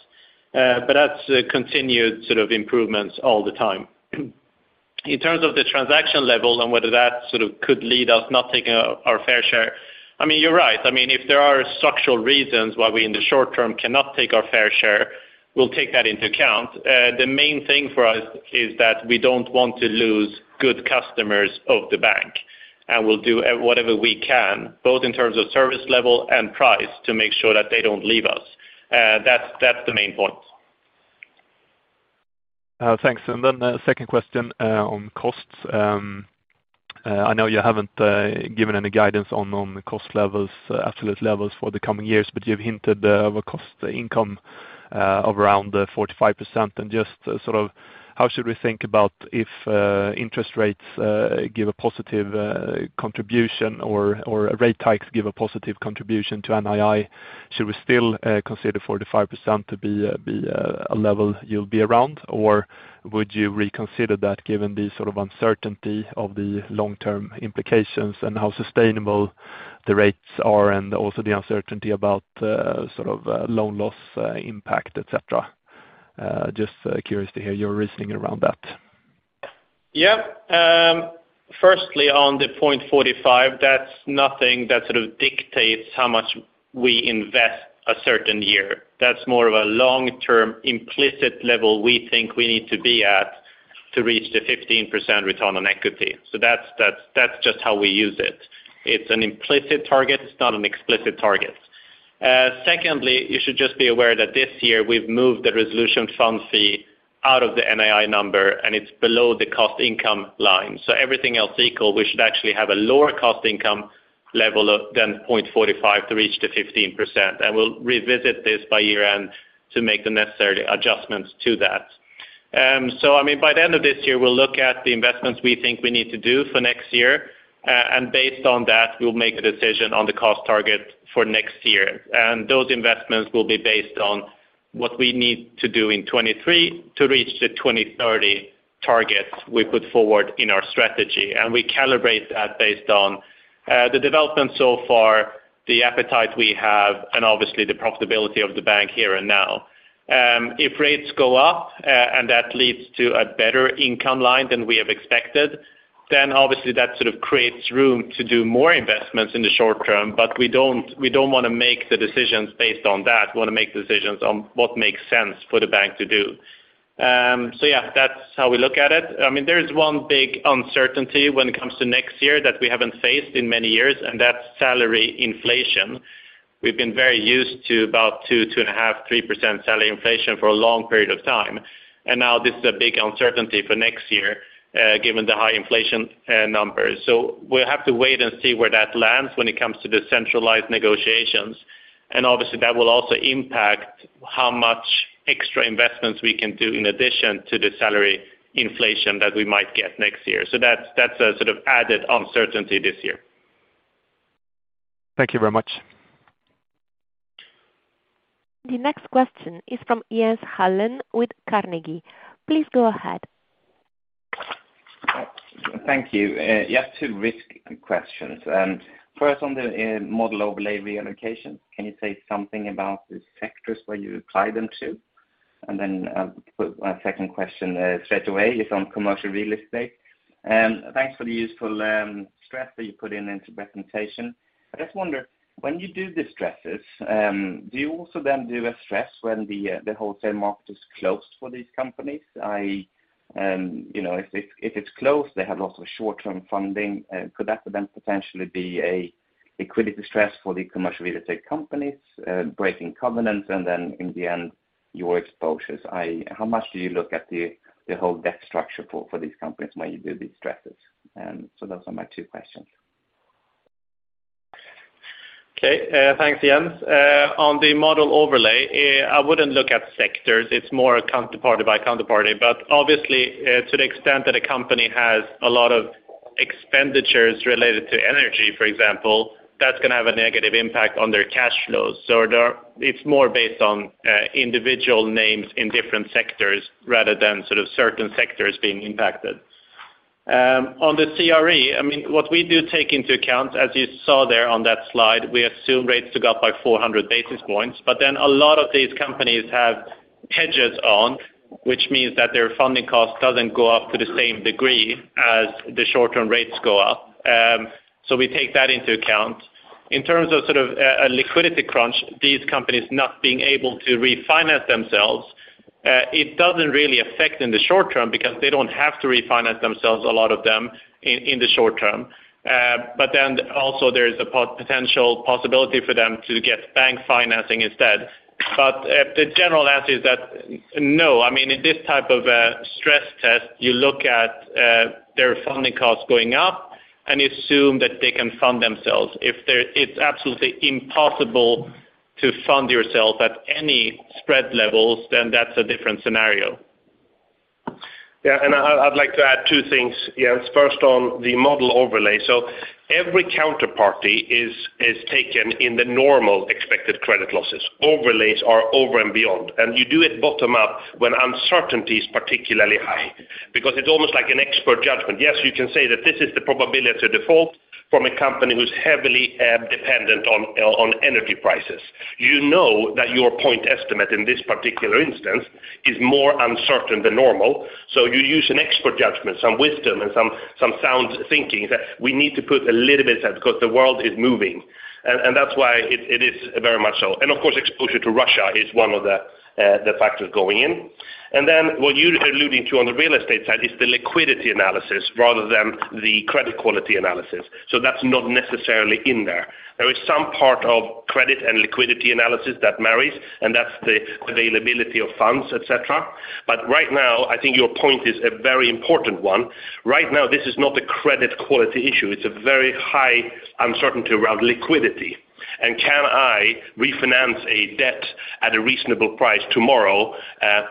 That's continued sort of improvements all the time. In terms of the transaction level and whether that sort of could lead us not taking our fair share, I mean, you're right. I mean, if there are structural reasons why we in the short term cannot take our fair share, we'll take that into account. The main thing for us is that we don't want to lose good customers of the bank, and we'll do whatever we can both in terms of service level and price to make sure that they don't leave us. That's the main point. Thanks. A second question on costs. I know you haven't given any guidance on cost levels, absolute levels for the coming years, but you've hinted of a cost income of around 45%. Just sort of how should we think about if interest rates give a positive contribution or rate hikes give a positive contribution to NII? Should we still consider 45% to be a level you'll be around? Would you reconsider that given the sort of uncertainty of the long-term implications and how sustainable the rates are and also the uncertainty about sort of loan loss impact, et cetera? Just curious to hear your reasoning around that. Yeah. Firstly on the point 45, that's nothing that sort of dictates how much we invest a certain year. That's more of a long-term implicit level we think we need to be at. To reach the 15% return on equity. That's just how we use it. It's an implicit target, it's not an explicit target. Secondly, you should just be aware that this year we've moved the resolution fund fee out of the NII number, and it's below the cost income line. Everything else equal, we should actually have a lower cost income level than 0.45 to reach the 15%. We'll revisit this by year-end to make the necessary adjustments to that. I mean, by the end of this year, we'll look at the investments we think we need to do for next year. Based on that, we'll make a decision on the cost target for next year. Those investments will be based on what we need to do in 2023 to reach the 2030 targets we put forward in our strategy. We calibrate that based on the development so far, the appetite we have, and obviously the profitability of the bank here and now. If rates go up and that leads to a better income line than we have expected, then obviously that sort of creates room to do more investments in the short-term, but we don't wanna make the decisions based on that. We wanna make decisions on what makes sense for the bank to do. Yeah, that's how we look at it. I mean, there is one big uncertainty when it comes to next year that we haven't faced in many years, and that's salary inflation. We've been very used to about 2.5, 3% salary inflation for a long period of time. Now this is a big uncertainty for next year, given the high inflation numbers. We'll have to wait and see where that lands when it comes to the centralized negotiations. Obviously, that will also impact how much extra investments we can do in addition to the salary inflation that we might get next year. That's a sort of added uncertainty this year. Thank you very much. The next question is from Jens Hallén with Carnegie. Please go ahead. Thank you. Yeah, two risk questions. First on the model overlay reallocations, can you say something about the sectors where you apply them to? Put my second question straight away is on commercial real estate. Thanks for the useful stress that you put into presentation. I just wonder, when you do the stresses, do you also then do a stress when the wholesale market is closed for these companies? You know, if it's closed, they have lots of short-term funding. Could that then potentially be a liquidity stress for the commercial real estate companies, breaking covenants and then in the end, your exposures? How much do you look at the whole debt structure for these companies when you do these stresses? Those are my two questions. Okay, thanks, Jens. On the model overlay, I wouldn't look at sectors. It's more counterparty by counterparty. But obviously, to the extent that a company has a lot of expenditures related to energy, for example, that's gonna have a negative impact on their cash flows. It's more based on individual names in different sectors rather than sort of certain sectors being impacted. On the CRE, I mean, what we do take into account, as you saw there on that slide, we assume rates to go up by 400 basis points. But then a lot of these companies have hedges on, which means that their funding cost doesn't go up to the same degree as the short-term rates go up. So we take that into account. In terms of sort of a liquidity crunch, these companies not being able to refinance themselves, it doesn't really affect in the short-term because they don't have to refinance themselves, a lot of them in the short-term. Also there's a potential possibility for them to get bank financing instead. The general answer is that, no. I mean, in this type of a stress test, you look at their funding costs going up and assume that they can fund themselves. It's absolutely impossible to fund yourself at any spread levels, then that's a different scenario. Yeah. I'd like to add two things, Jens. First on the model overlay. Every counterparty is taken in the normal expected credit losses. Overlays are over and beyond. You do it bottom up when uncertainty is particularly high, because it's almost like an expert judgment. Yes, you can say that this is the probability of default from a company who's heavily dependent on energy prices. You know that your point estimate in this particular instance is more uncertain than normal. You use an expert judgment, some wisdom, and some sound thinking that we need to put a little bit aside because the world is moving. That's why it is very much so. Of course, exposure to Russia is one of the factors going in. Then what you're alluding to on the real estate side is the liquidity analysis rather than the credit quality analysis. That's not necessarily in there. There is some part of credit and liquidity analysis that marries, and that's the availability of funds, et cetera. Right now, I think your point is a very important one. Right now, this is not a credit quality issue. It's a very high uncertainty around liquidity. Can I refinance a debt at a reasonable price tomorrow,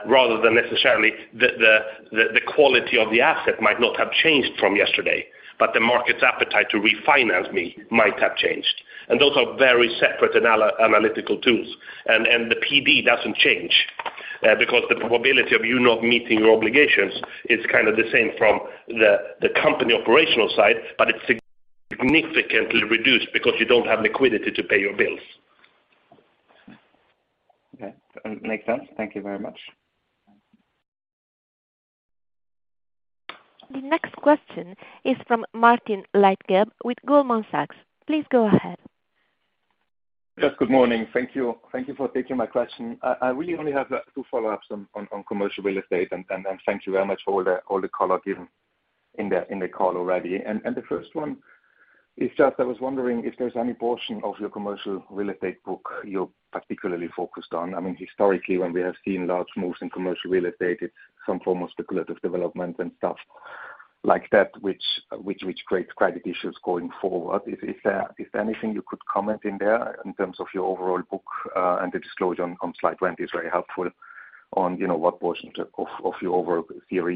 rather than necessarily the quality of the asset might not have changed from yesterday, but the market's appetite to refinance me might have changed. Those are very separate analytical tools. The PD doesn't change because the probability of you not meeting your obligations is kinda the same from the company operational side, but it's significantly reduced because you don't have liquidity to pay your bills. Okay. Makes sense. Thank you very much. The next question is from Martin Leitgeb with Goldman Sachs. Please go ahead. Good morning. Thank you. Thank you for taking my question. I really only have two follow-ups on commercial real estate. Thank you very much for all the color given in the call already. The first one is just, I was wondering if there's any portion of your commercial real estate book you're particularly focused on. I mean, historically, when we have seen large moves in commercial real estate, it's some form of speculative development and stuff like that, which creates credit issues going forward. Is there anything you could comment in there in terms of your overall book, and the disclosure on slide 20 is very helpful on, you know, what portions of your overall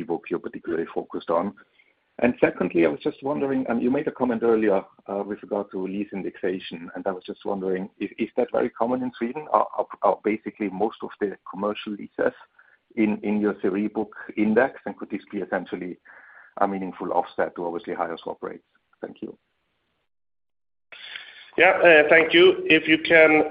book you're particularly focused on. Secondly, I was just wondering. You made a comment earlier with regard to lease indexation, and I was just wondering, is that very common in Sweden, or basically most of the commercial leases in your loan book index? Could this be essentially a meaningful offset to obviously higher swap rates? Thank you. Yeah. Thank you. If you can,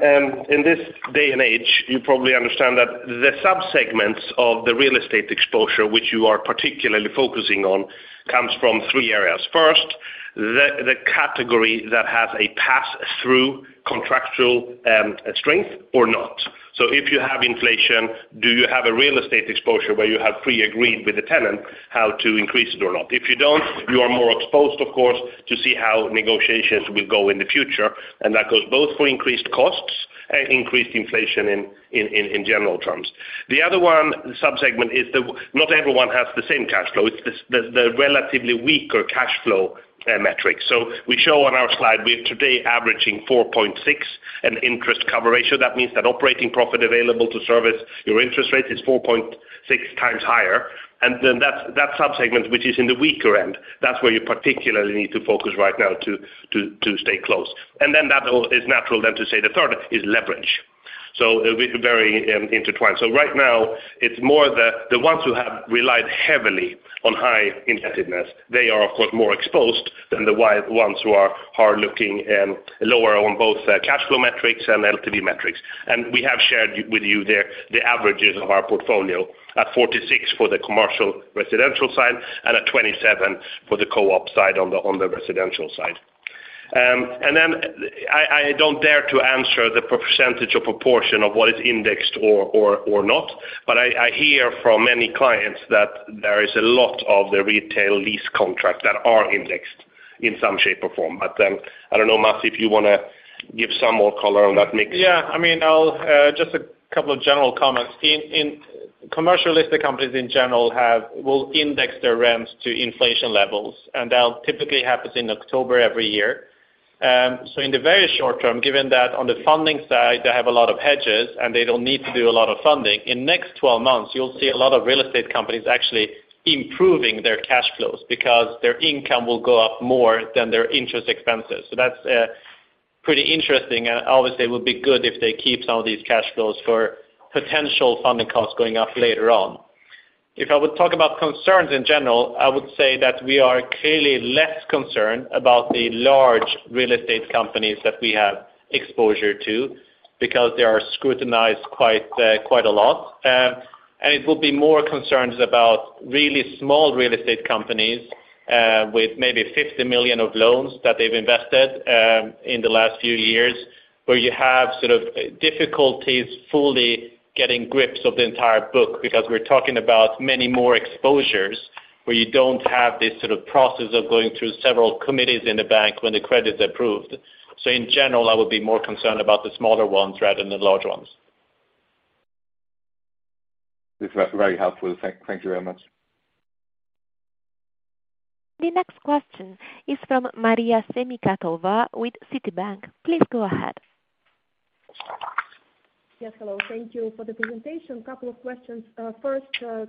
in this day and age, you probably understand that the subsegments of the real estate exposure which you are particularly focusing on comes from three areas. First, the category that has a pass-through contractual strength or not. If you have inflation, do you have a real estate exposure where you have pre-agreed with the tenant how to increase it or not? If you don't, you are more exposed, of course, to see how negotiations will go in the future, and that goes both for increased costs and increased inflation in general terms. The other one, subsegment is the. Not everyone has the same cash flow. It's the relatively weaker cash flow metric. We show on our slide, we have today averaging 4.6 an interest cover ratio. That means that operating profit available to service your interest rate is 4.6 times higher. That subsegment, which is in the weaker end, that's where you particularly need to focus right now to stay close. That all is natural then to say the third is leverage. It will be very intertwined. Right now it's more the ones who have relied heavily on high indebtedness. They are of course more exposed than the ones who are looking lower on both cash flow metrics and LTV metrics. We have shared with you there the averages of our portfolio at 46% for the commercial residential side and at 27% for the co-op side on the residential side. I don't dare to answer the percentage or proportion of what is indexed or not, but I hear from many clients that there is a lot of the retail lease contracts that are indexed in some shape or form. I don't know, Mats, if you wanna give some more color on that mix. Yeah. I mean, I'll just a couple of general comments. In commercial listed companies in general will index their rents to inflation levels, and that'll typically happens in October every year. In the very short term, given that on the funding side, they have a lot of hedges, and they don't need to do a lot of funding. In next twelve months, you'll see a lot of real estate companies actually improving their cash flows because their income will go up more than their interest expenses. That's pretty interesting, and obviously it would be good if they keep some of these cash flows for potential funding costs going up later on. If I would talk about concerns in general, I would say that we are clearly less concerned about the large real estate companies that we have exposure to because they are scrutinized quite a lot. It will be more concerns about really small real estate companies with maybe 50 million of loans that they've invested in the last few years, where you have sort of difficulties fully getting grips of the entire book because we're talking about many more exposures where you don't have this sort of process of going through several committees in the bank when the credit's approved. In general, I would be more concerned about the smaller ones rather than the large ones. This was very helpful. Thank you very much. The next question is from Maria Semikhatova with Citibank. Please go ahead. Yes. Hello. Thank you for the presentation. Couple of questions. First,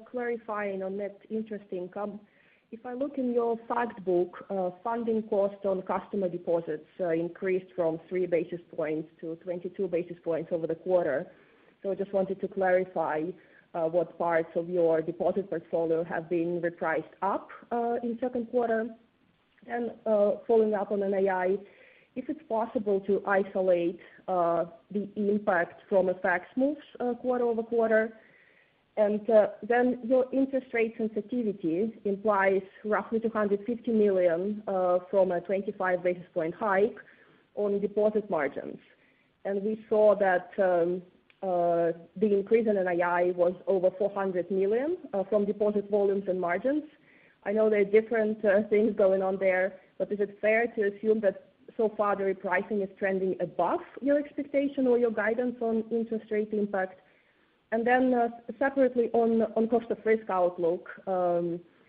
clarifying on net interest income. If I look in your fact book, funding cost on customer deposits increased from 3 basis points to 22 basis points over the quarter. I just wanted to clarify what parts of your deposit portfolio have been repriced up in second quarter. Following up on NII, if it's possible to isolate the impact from rate moves quarter over quarter. Then your interest rate sensitivity implies roughly 250 million from a 25 basis point hike on deposit margins. We saw that the increase in NII was over 400 million from deposit volumes and margins. I know there are different things going on there, but is it fair to assume that so far the repricing is trending above your expectation or your guidance on interest rate impact? Then, separately on cost of risk outlook,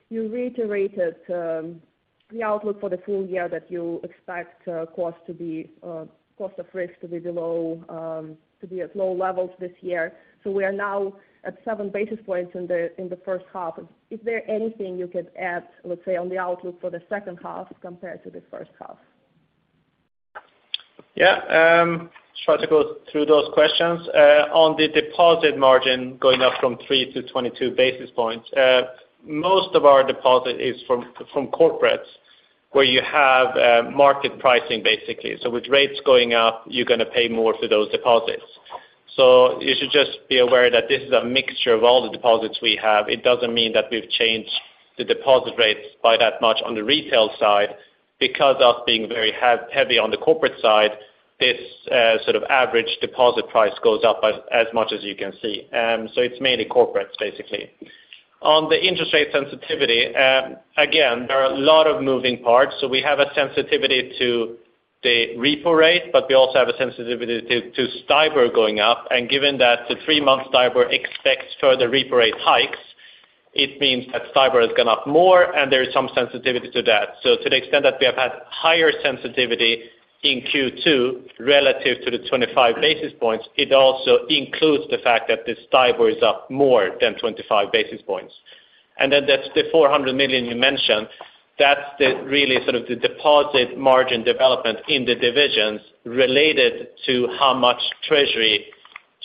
you reiterated the outlook for the full year that you expect cost of risk to be below to be at low levels this year. We are now at seven basis points in the first half. Is there anything you could add, let's say, on the outlook for the second half compared to the first half? Yeah. Try to go through those questions. On the deposit margin going up from 3-22 basis points, most of our deposit is from corporates, where you have market pricing basically. With rates going up, you're gonna pay more for those deposits. You should just be aware that this is a mixture of all the deposits we have. It doesn't mean that we've changed the deposit rates by that much on the retail side because of being very heavy on the corporate side. This sort of average deposit price goes up as much as you can see. It's mainly corporates, basically. On the interest rate sensitivity, again, there are a lot of moving parts. We have a sensitivity to the repo rate, but we also have a sensitivity to STIBOR going up. Given that the three-month STIBOR expects further repo rate hikes, it means that STIBOR has gone up more, and there is some sensitivity to that. To the extent that we have had higher sensitivity in Q2 relative to the 25 basis points, it also includes the fact that the STIBOR is up more than 25 basis points. Then that's the 400 million you mentioned. That's the really sort of the deposit margin development in the divisions related to how much treasury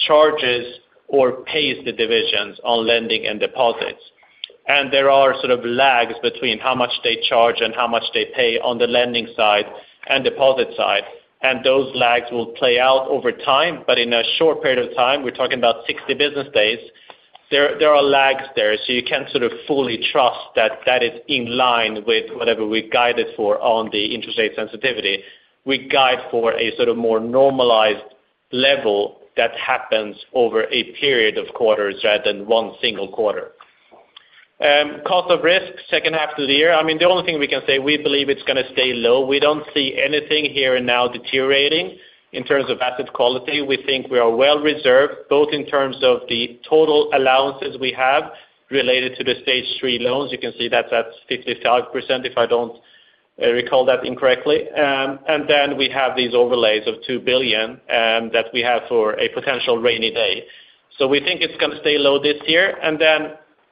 charges or pays the divisions on lending and deposits. There are sort of lags between how much they charge and how much they pay on the lending side and deposit side. Those lags will play out over time. In a short period of time, we're talking about 60 business days, there are lags there. You can sort of fully trust that that is in line with whatever we've guided for on the interest rate sensitivity. We guide for a sort of more normalized level that happens over a period of quarters rather than one single quarter. Cost of risk second half of the year. I mean, the only thing we can say, we believe it's gonna stay low. We don't see anything here and now deteriorating in terms of asset quality. We think we are well reserved, both in terms of the total allowances we have related to the stage three loans. You can see that that's 55%, if I don't recall that incorrectly. We have these overlays of 2 billion that we have for a potential rainy day. We think it's gonna stay low this year.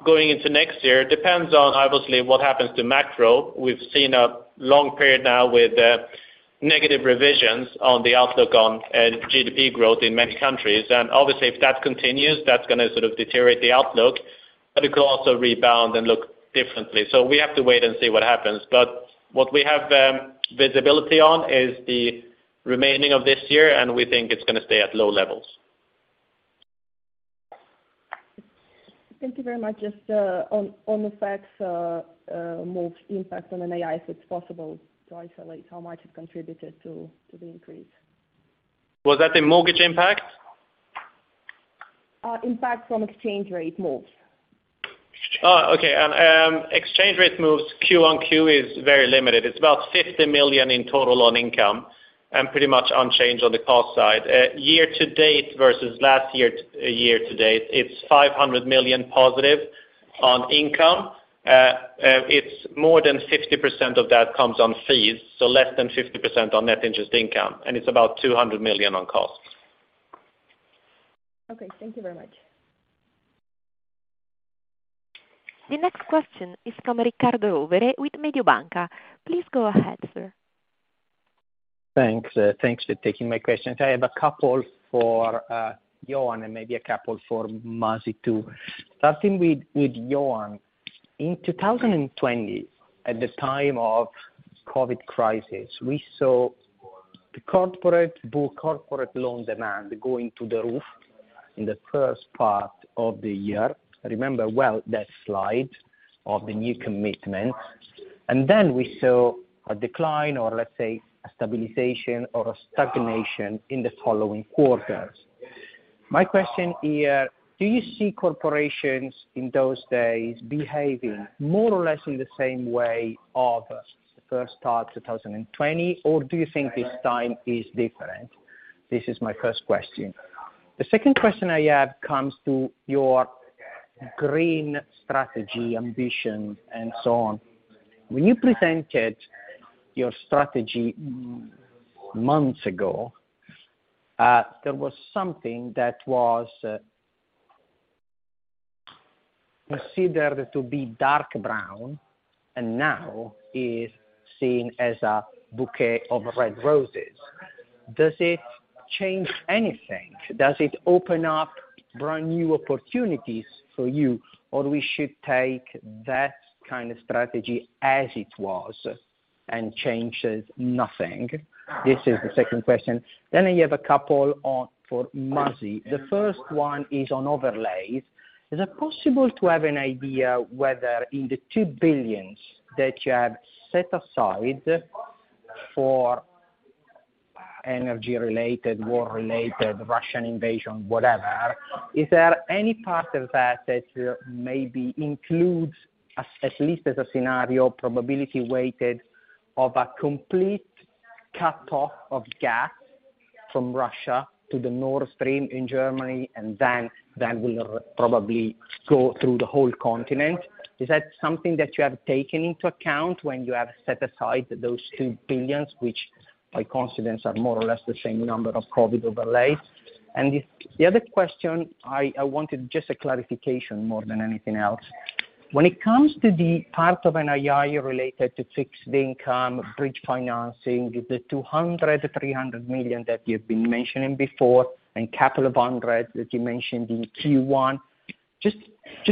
Going into next year, it depends on obviously what happens to macro. We've seen a long period now with negative revisions on the outlook on GDP growth in many countries. Obviously if that continues, that's gonna sort of deteriorate the outlook, but it could also rebound and look differently. We have to wait and see what happens. What we have visibility on is the remaining of this year, and we think it's gonna stay at low levels. Thank you very much. Just on the FX move impact on NII, if it's possible to isolate how much it contributed to the increase? Was that the mortgage impact? Impact from exchange rate moves. Exchange rate moves Q on Q is very limited. It's about 50 million in total on income and pretty much unchanged on the cost side. Year to date versus last year, it's 500 million positive on income. It's more than 50% of that comes on fees, so less than 50% on net interest income, and it's about 200 million on costs. Okay, thank you very much. The next question is from Riccardo Rovere with Mediobanca. Please go ahead, sir. Thanks. Thanks for taking my questions. I have a couple for Johan and maybe a couple for Masih too. Starting with Johan. In 2020, at the time of COVID crisis, we saw corporate loan demand going through the roof in the first part of the year. I remember well that slide of the new commitments. Then we saw a decline or let's say a stabilization or a stagnation in the following quarters. My question here, do you see corporations in those days behaving more or less in the same way of the first part 2020? Or do you think this time is different? This is my first question. The second question I have comes to your green strategy, ambition and so on. When you presented your strategy months ago, there was something that was considered to be dark brown and now is seen as a bouquet of red roses. Does it change anything? Does it open up brand new opportunities for you? Or we should take that kind of strategy as it was and changes nothing. This is the second question. I have a couple for Masih. The first one is on overlays. Is it possible to have an idea whether in the 2 billion that you have set aside for energy related, war related, Russian invasion, whatever, is there any part of that that maybe includes as, at least as a scenario, probability weighted of a complete cut off of gas from Russia to the Nord Stream in Germany and then that will probably go through the whole continent? Is that something that you have taken into account when you have set aside those 2 billion, which by coincidence are more or less the same number of COVID overlays? The other question I wanted just a clarification more than anything else. When it comes to the part of NII related to fixed income, bridge financing, the 200-300 million that you've been mentioning before and capital of 100 million that you mentioned in Q1, just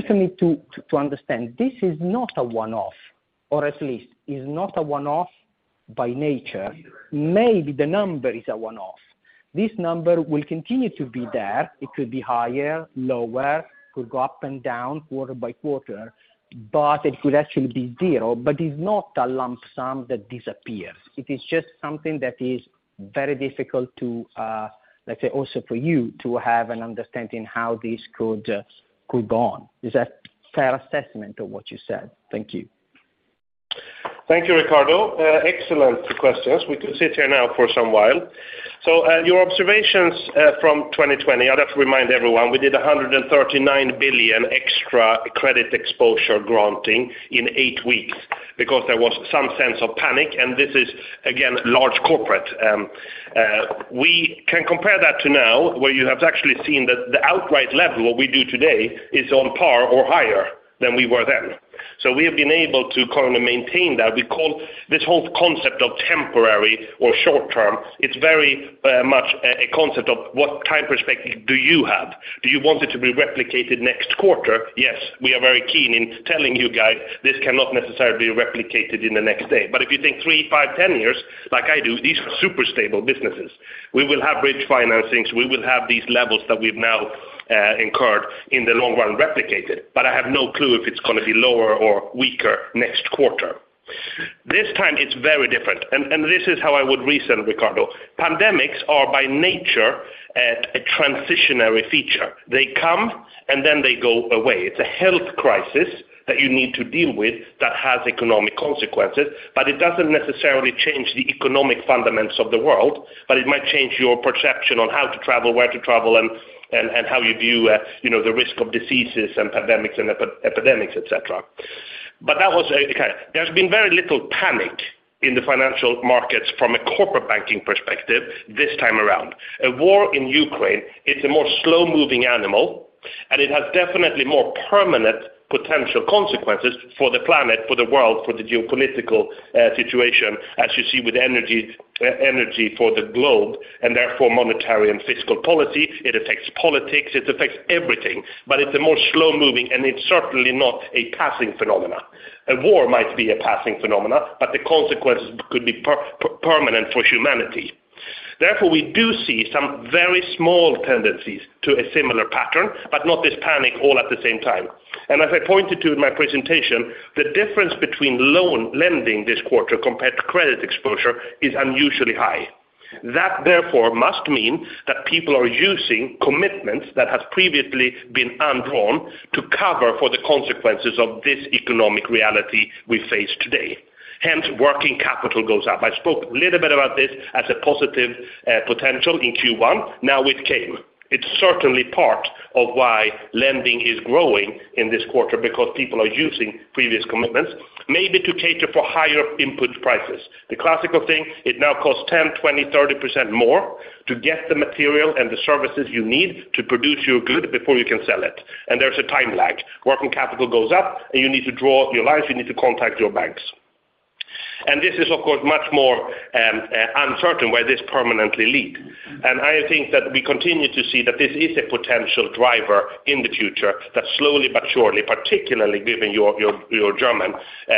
for me to understand, this is not a one-off or at least not a one-off. By nature, maybe the number is a one-off. This number will continue to be there. It could be higher, lower, it could go up and down quarter by quarter, but it could actually be zero. But it's not a lump sum that disappears. It is just something that is very difficult to, let's say, also for you to have an understanding how this could go on. Is that fair assessment of what you said? Thank you. Thank you, Riccardo. Excellent questions. We could sit here now for some while. Your observations from 2020, I'll just remind everyone we did 139 billion extra credit exposure granting in eight weeks because there was some sense of panic. This is, again, large corporate. We can compare that to now, where you have actually seen that the outright level we do today is on par or higher than we were then. We have been able to kind of maintain that. We call this whole concept of temporary or short term. It's very much a concept of what time perspective do you have. Do you want it to be replicated next quarter? Yes, we are very keen in telling you guys this cannot necessarily be replicated in the next day. If you think three, five, ten years like I do, these are super stable businesses. We will have bridge financings. We will have these levels that we've now incurred in the long run replicated. I have no clue if it's gonna be lower or weaker next quarter. This time it's very different. This is how I would reason, Riccardo. Pandemics are by nature a transitory feature. They come and then they go away. It's a health crisis that you need to deal with that has economic consequences. It doesn't necessarily change the economic fundamentals of the world. It might change your perception on how to travel, where to travel, and how you view you know the risk of diseases and pandemics and epidemics, et cetera. There's been very little panic in the financial markets from a corporate banking perspective this time around. A war in Ukraine, it's a more slow-moving animal, and it has definitely more permanent potential consequences for the planet, for the world, for the geopolitical situation, as you see with energy for the globe, and therefore monetary and fiscal policy. It affects politics, it affects everything, but it's a more slow-moving, and it's certainly not a passing phenomena. A war might be a passing phenomena, but the consequences could be permanent for humanity. Therefore, we do see some very small tendencies to a similar pattern, but not this panic all at the same time. As I pointed to in my presentation, the difference between loan lending this quarter compared to credit exposure is unusually high. That, therefore, must mean that people are using commitments that have previously been undrawn to cover for the consequences of this economic reality we face today. Hence, working capital goes up. I spoke a little bit about this as a positive potential in Q1. Now it came. It's certainly part of why lending is growing in this quarter, because people are using previous commitments maybe to cater for higher input prices. The classical thing, it now costs 10, 20, 30% more to get the material and the services you need to produce your good before you can sell it. There's a time lag. Working capital goes up and you need to draw your lines, you need to contact your banks. This is of course much more uncertain where this permanently leads. I think that we continue to see that this is a potential driver in the future that slowly but surely, particularly given your German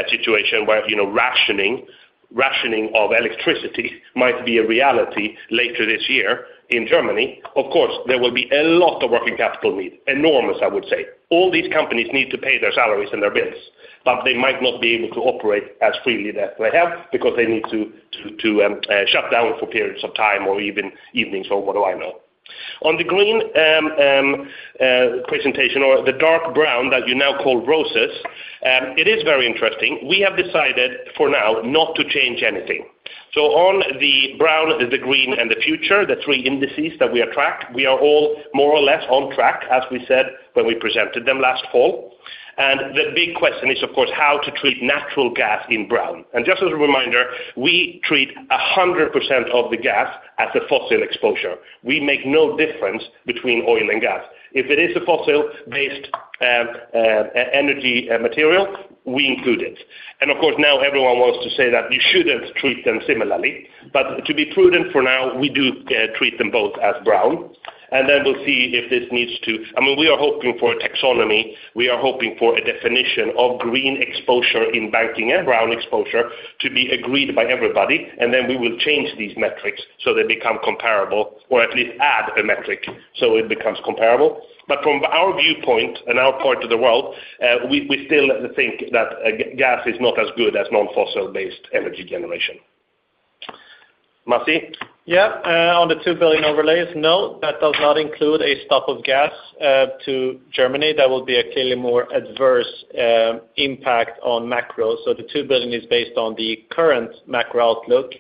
situation, where, you know, rationing of electricity might be a reality later this year in Germany. Of course, there will be a lot of working capital needs. Enormous, I would say. All these companies need to pay their salaries and their bills, but they might not be able to operate as freely as they have because they need to shut down for periods of time or even evenings, or what do I know. On the green presentation or the dark brown that you now call roses, it is very interesting. We have decided for now not to change anything. On the brown, the green and the future, the three indices that we track, we are all more or less on track, as we said when we presented them last fall. The big question is, of course, how to treat natural gas in brown. Just as a reminder, we treat 100% of the gas as a fossil exposure. We make no difference between oil and gas. If it is a fossil-based energy material, we include it. Of course, now everyone wants to say that you shouldn't treat them similarly. But to be prudent for now, we do treat them both as brown, and then we'll see if this needs to. I mean, we are hoping for a taxonomy. We are hoping for a definition of green exposure in banking and brown exposure to be agreed by everybody. We will change these metrics so they become comparable or at least add a metric so it becomes comparable. From our viewpoint and our part of the world, we still think that gas is not as good as non-fossil based energy generation. Masih Yazdi? Yeah. On the two billion overlays, no, that does not include a stop of gas to Germany. That will be a clearly more adverse impact on macro. The two billion is based on the current macro outlook,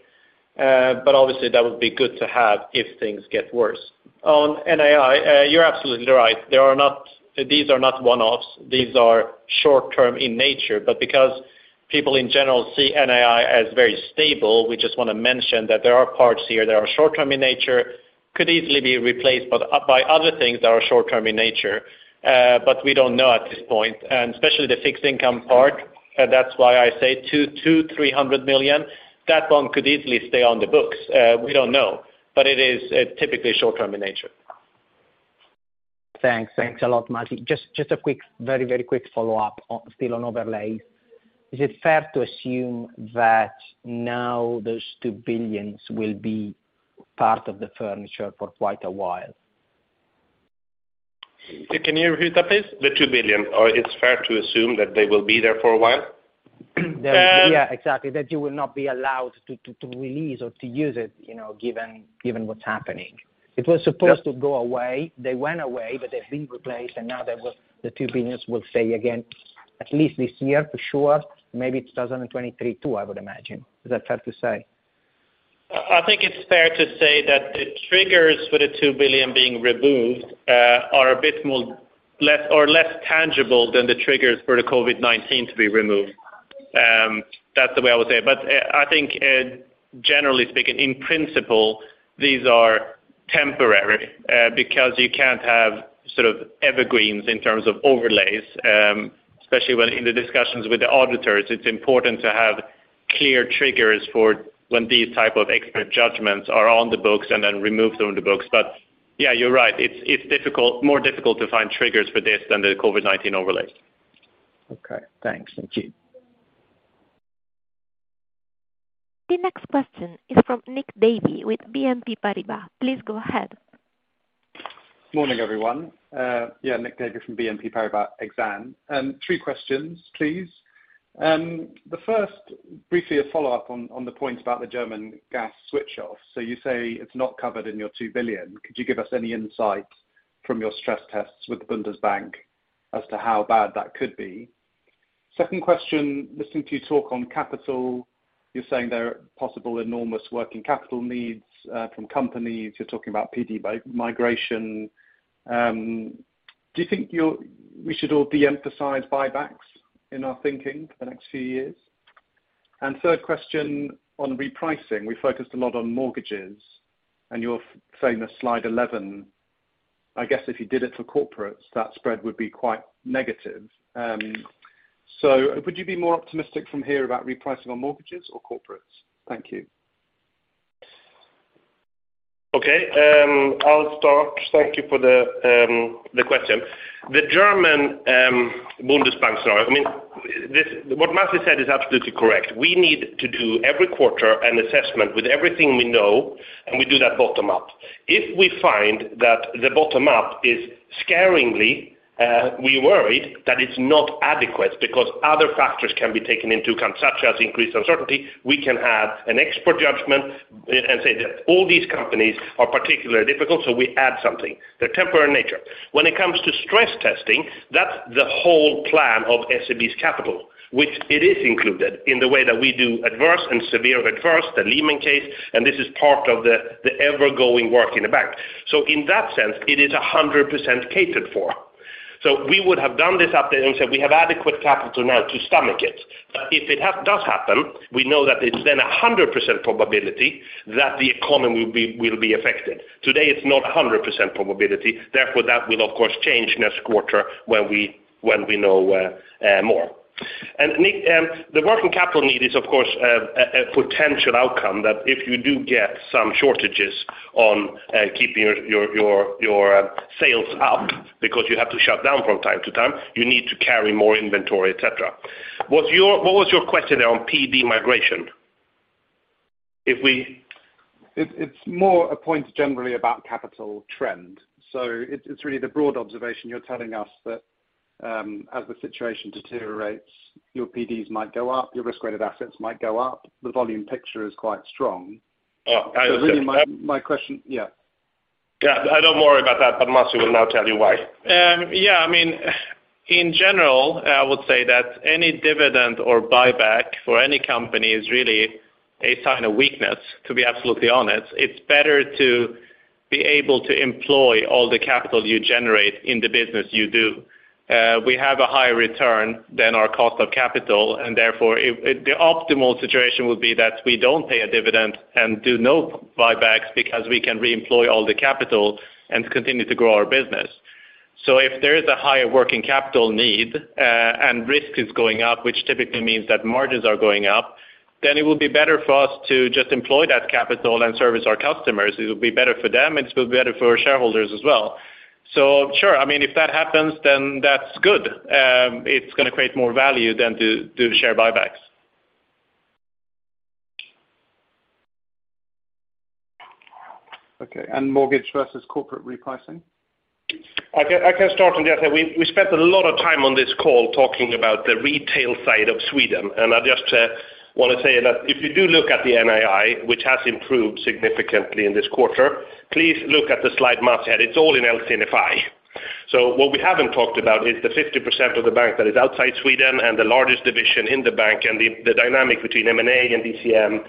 but obviously that would be good to have if things get worse. On NII, you're absolutely right. These are not one-offs. These are short-term in nature. Because people in general see NII as very stable, we just wanna mention that there are parts here that are short-term in nature, could easily be replaced by other things that are short-term in nature. But we don't know at this point, and especially the fixed income part. That's why I say 200-300 million. That one could easily stay on the books. We don't know. It is, typically short-term in nature. Thanks. Thanks a lot, Masih Yazdi. Just a quick, very quick follow-up, still on overlays. Is it fair to assume that now those 2 billion will be part of the furniture for quite a while? Can you repeat that, please? 2 billion. It's fair to assume that they will be there for a while. Yeah, exactly. That you will not be allowed to release or to use it, you know, given what's happening. It was supposed to go away. They went away, but they've been replaced, and now the 2 billion will stay again, at least this year, for sure. Maybe 2023 too, I would imagine. Is that fair to say? I think it's fair to say that the triggers for the 2 billion being removed are a bit more or less tangible than the triggers for the COVID-19 to be removed. That's the way I would say. I think, generally speaking, in principle, these are temporary, because you can't have sort of evergreens in terms of overlays, especially when in the discussions with the auditors, it's important to have clear triggers for when these type of expert judgments are on the books and then remove them from the books. Yeah, you're right. It's difficult, more difficult to find triggers for this than the COVID-19 overlay. Okay. Thanks. Thank you. The next question is from Nick Davey with BNP Paribas. Please go ahead. Morning, everyone. Yeah, Nick Davey from BNP Paribas Exane. Three questions, please. The first, briefly a follow-up on the point about the German gas switch off. You say it's not covered in your 2 billion. Could you give us any insight from your stress tests with the Bundesbank as to how bad that could be? Second question, listening to you talk on capital, you're saying there are possible enormous working capital needs from companies. You're talking about PD migration. Do you think we should all de-emphasize buybacks in our thinking for the next few years? Third question on repricing. We focused a lot on mortgages and your famous slide 11. I guess if you did it for corporates, that spread would be quite negative. So would you be more optimistic from here about repricing on mortgages or corporates? Thank you. Okay. I'll start. Thank you for the question. The Deutsche Bundesbank. I mean, what Masih said is absolutely correct. We need to do every quarter an assessment with everything we know, and we do that bottom up. If we find that the bottom up is scarily, we're worried that it's not adequate because other factors can be taken into such as increased uncertainty, we can have an expert judgment and say that all these companies are particularly difficult, so we add something. They're temporary in nature. When it comes to stress testing, that's the whole plan of SEB's capital, which is included in the way that we do adverse and severe adverse, the Lehman case, and this is part of the ongoing work in the bank. In that sense, it is 100% catered for. We would have done this update and said, "We have adequate capital now to stomach it." If it does happen, we know that it's then 100% probability that the economy will be affected. Today, it's not 100% probability. Therefore, that will of course change next quarter when we know more. Nick, the working capital need is of course a potential outcome that if you do get some shortages on keeping your sales up because you have to shut down from time to time, you need to carry more inventory, et cetera. What was your question on PD migration? If we It's more a point generally about capital trend. It's really the broad observation. You're telling us that as the situation deteriorates, your PDs might go up, your risk-rated assets might go up. The volume picture is quite strong. Oh, I understand. Really, my question. Yeah. Yeah. I don't worry about that, but Mats here will now tell you why. Yeah, I mean, in general, I would say that any dividend or buyback for any company is really a sign of weakness, to be absolutely honest. It's better to be able to employ all the capital you generate in the business you do. We have a higher return than our cost of capital, and therefore. The optimal situation would be that we don't pay a dividend and do no buybacks because we can reemploy all the capital and continue to grow our business. If there is a higher working capital need, and risk is going up, which typically means that margins are going up, then it will be better for us to just employ that capital and service our customers. It will be better for them, and it will be better for shareholders as well. Sure, I mean, if that happens, then that's good. It's gonna create more value than do the share buybacks. Okay. Mortgage versus corporate repricing? I can start on that. We spent a lot of time on this call talking about the retail side of Sweden, and I just wanna say that if you do look at the NII, which has improved significantly in this quarter, please look at the slide Masih Yazdi had. It's all in LC&FI. What we haven't talked about is the 50% of the bank that is outside Sweden and the largest division in the bank and the dynamic between M&A and ECM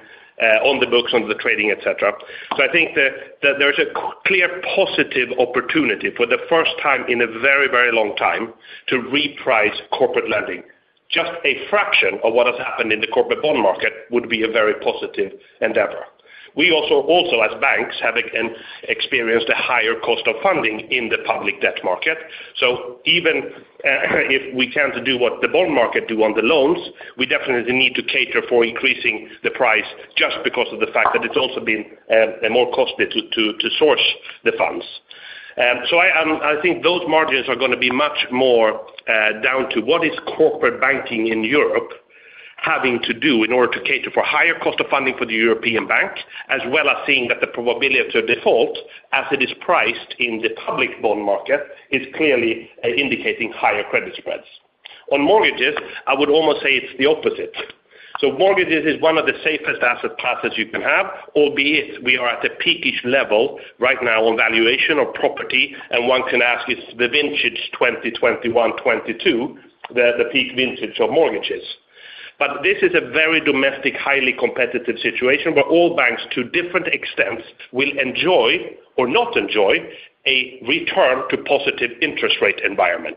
on the books, under the trading, et cetera. I think that there's a clear positive opportunity for the first time in a very long time to reprice corporate lending. Just a fraction of what has happened in the corporate bond market would be a very positive endeavor. We also as banks have experienced a higher cost of funding in the public debt market. Even if we can't do what the bond market do on the loans, we definitely need to cater for increasing the price just because of the fact that it's also been more costly to source the funds. I think those margins are going to be much more down to what is corporate banking in Europe having to do in order to cater for higher cost of funding for the European Bank, as well as seeing that the probability of default as it is priced in the public bond market is clearly indicating higher credit spreads. On mortgages, I would almost say it's the opposite. Mortgages is one of the safest asset classes you can have, albeit we are at a peak-ish level right now on valuation of property, and one can ask, is the vintage 2020, 2021, 2022 the peak vintage of mortgages. This is a very domestic, highly competitive situation where all banks, to different extents, will enjoy or not enjoy a return to positive interest rate environment.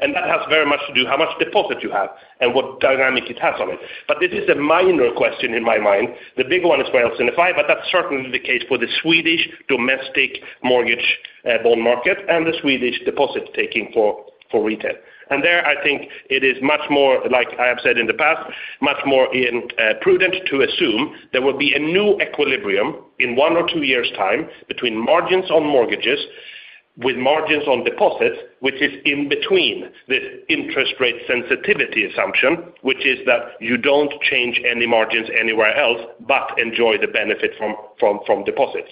That has very much to do with how much deposit you have and what dynamic it has on it. This is a minor question in my mind. The big one is where I'll signify, but that's certainly the case for the Swedish domestic mortgage bond market and the Swedish deposit taking for retail. There, I think it is much more like I have said in the past, much more prudent to assume there will be a new equilibrium in one or two years' time between margins on mortgages with margins on deposits, which is in between the interest rate sensitivity assumption, which is that you don't change any margins anywhere else but enjoy the benefit from deposits.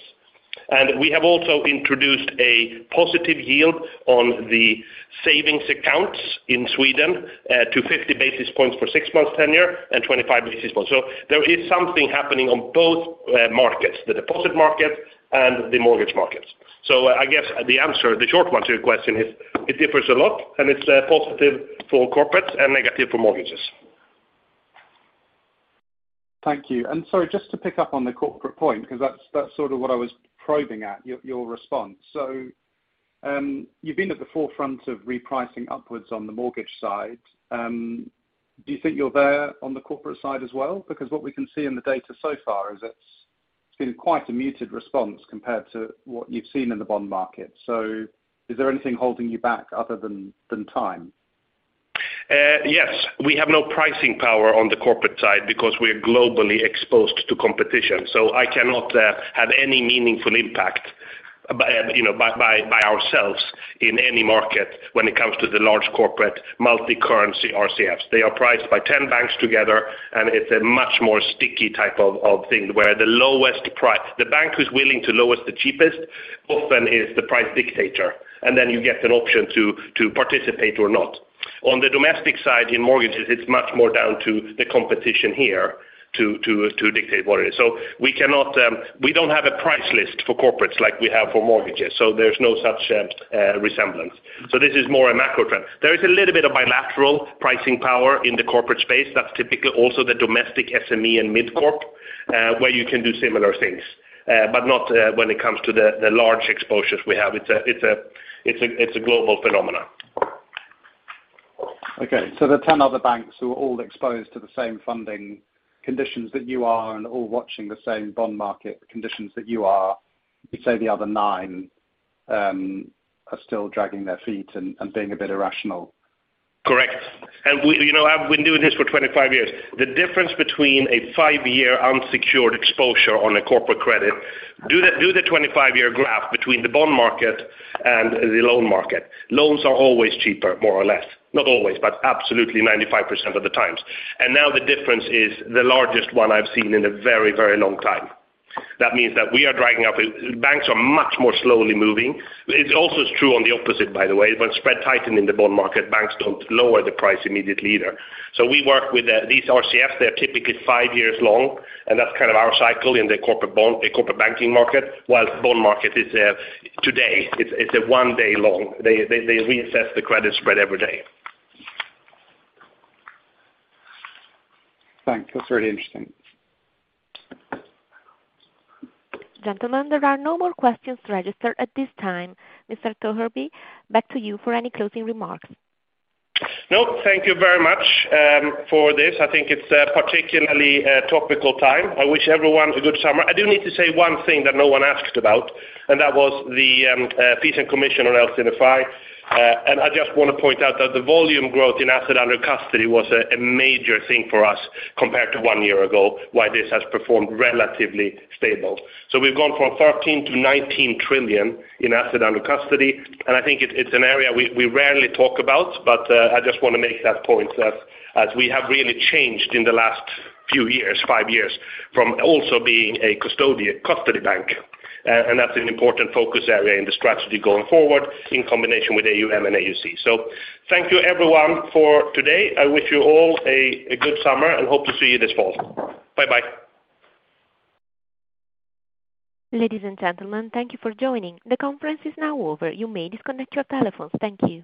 We have also introduced a positive yield on the savings accounts in Sweden to 50 basis points for six months tenure and 25 basis points. There is something happening on both markets, the deposit market and the mortgage markets. I guess the answer, the short one to your question is it differs a lot, and it's positive for corporates and negative for mortgages. Thank you. Sorry, just to pick up on the corporate point, because that's sort of what I was probing at your response. You've been at the forefront of repricing upwards on the mortgage side. Do you think you're there on the corporate side as well? Because what we can see in the data so far is it's been quite a muted response compared to what you've seen in the bond market. Is there anything holding you back other than time? Yes. We have no pricing power on the corporate side because we are globally exposed to competition. I cannot have any meaningful impact by, you know, by ourselves in any market when it comes to the large corporate multi-currency RCFs. They are priced by 10 banks together, and it's a much more sticky type of thing, where the lowest price. The bank who's willing to go the lowest, the cheapest often is the price dictator, and then you get an option to participate or not. On the domestic side, in mortgages, it's much more down to the competition here to dictate what it is. We cannot, we don't have a price list for corporates like we have for mortgages, so there's no such resemblance. This is more a macro trend. There is a little bit of bilateral pricing power in the corporate space. That's typically also the domestic SME and mid-corp, where you can do similar things, but not when it comes to the large exposures we have. It's a global phenomenon. Okay. The ten other banks who are all exposed to the same funding conditions that you are and all watching the same bond market conditions that you are, you say the other nine are still dragging their feet and being a bit irrational. Correct. We, you know, I've been doing this for 25 years. The difference between a five-year unsecured exposure on a corporate credit, the 25-year graph between the bond market and the loan market. Loans are always cheaper, more or less. Not always, but absolutely 95% of the times. Now the difference is the largest one I've seen in a very, very long time. That means that we are dragging up. Banks are much more slowly moving. It also is true on the opposite, by the way. When spreads tighten in the bond market, banks don't lower the price immediately either. We work with these RCFs. They're typically five years long, and that's kind of our cycle in the corporate bond, the corporate banking market, while the bond market is today. It's a one day long. They reassess the credit spread every day. Thanks. That's really interesting. Gentlemen, there are no more questions registered at this time. Mr. Torgeby, back to you for any closing remarks. No, thank you very much for this. I think it's a particularly topical time. I wish everyone a good summer. I do need to say one thing that no one asked about, and that was the fees and commissions on LC&FI. I just wanna point out that the volume growth in assets under custody was a major thing for us compared to one year ago, why this has performed relatively stable. We've gone from 13 trillion-19 trillion in assets under custody, and I think it's an area we rarely talk about, but I just wanna make that point as we have really changed in the last few years, five years, from also being a custody bank. That's an important focus area in the strategy going forward in combination with AUM and AUC. Thank you everyone for today. I wish you all a good summer and hope to see you this fall. Bye-bye. Ladies and gentlemen, thank you for joining. The conference is now over. You may disconnect your telephones. Thank you.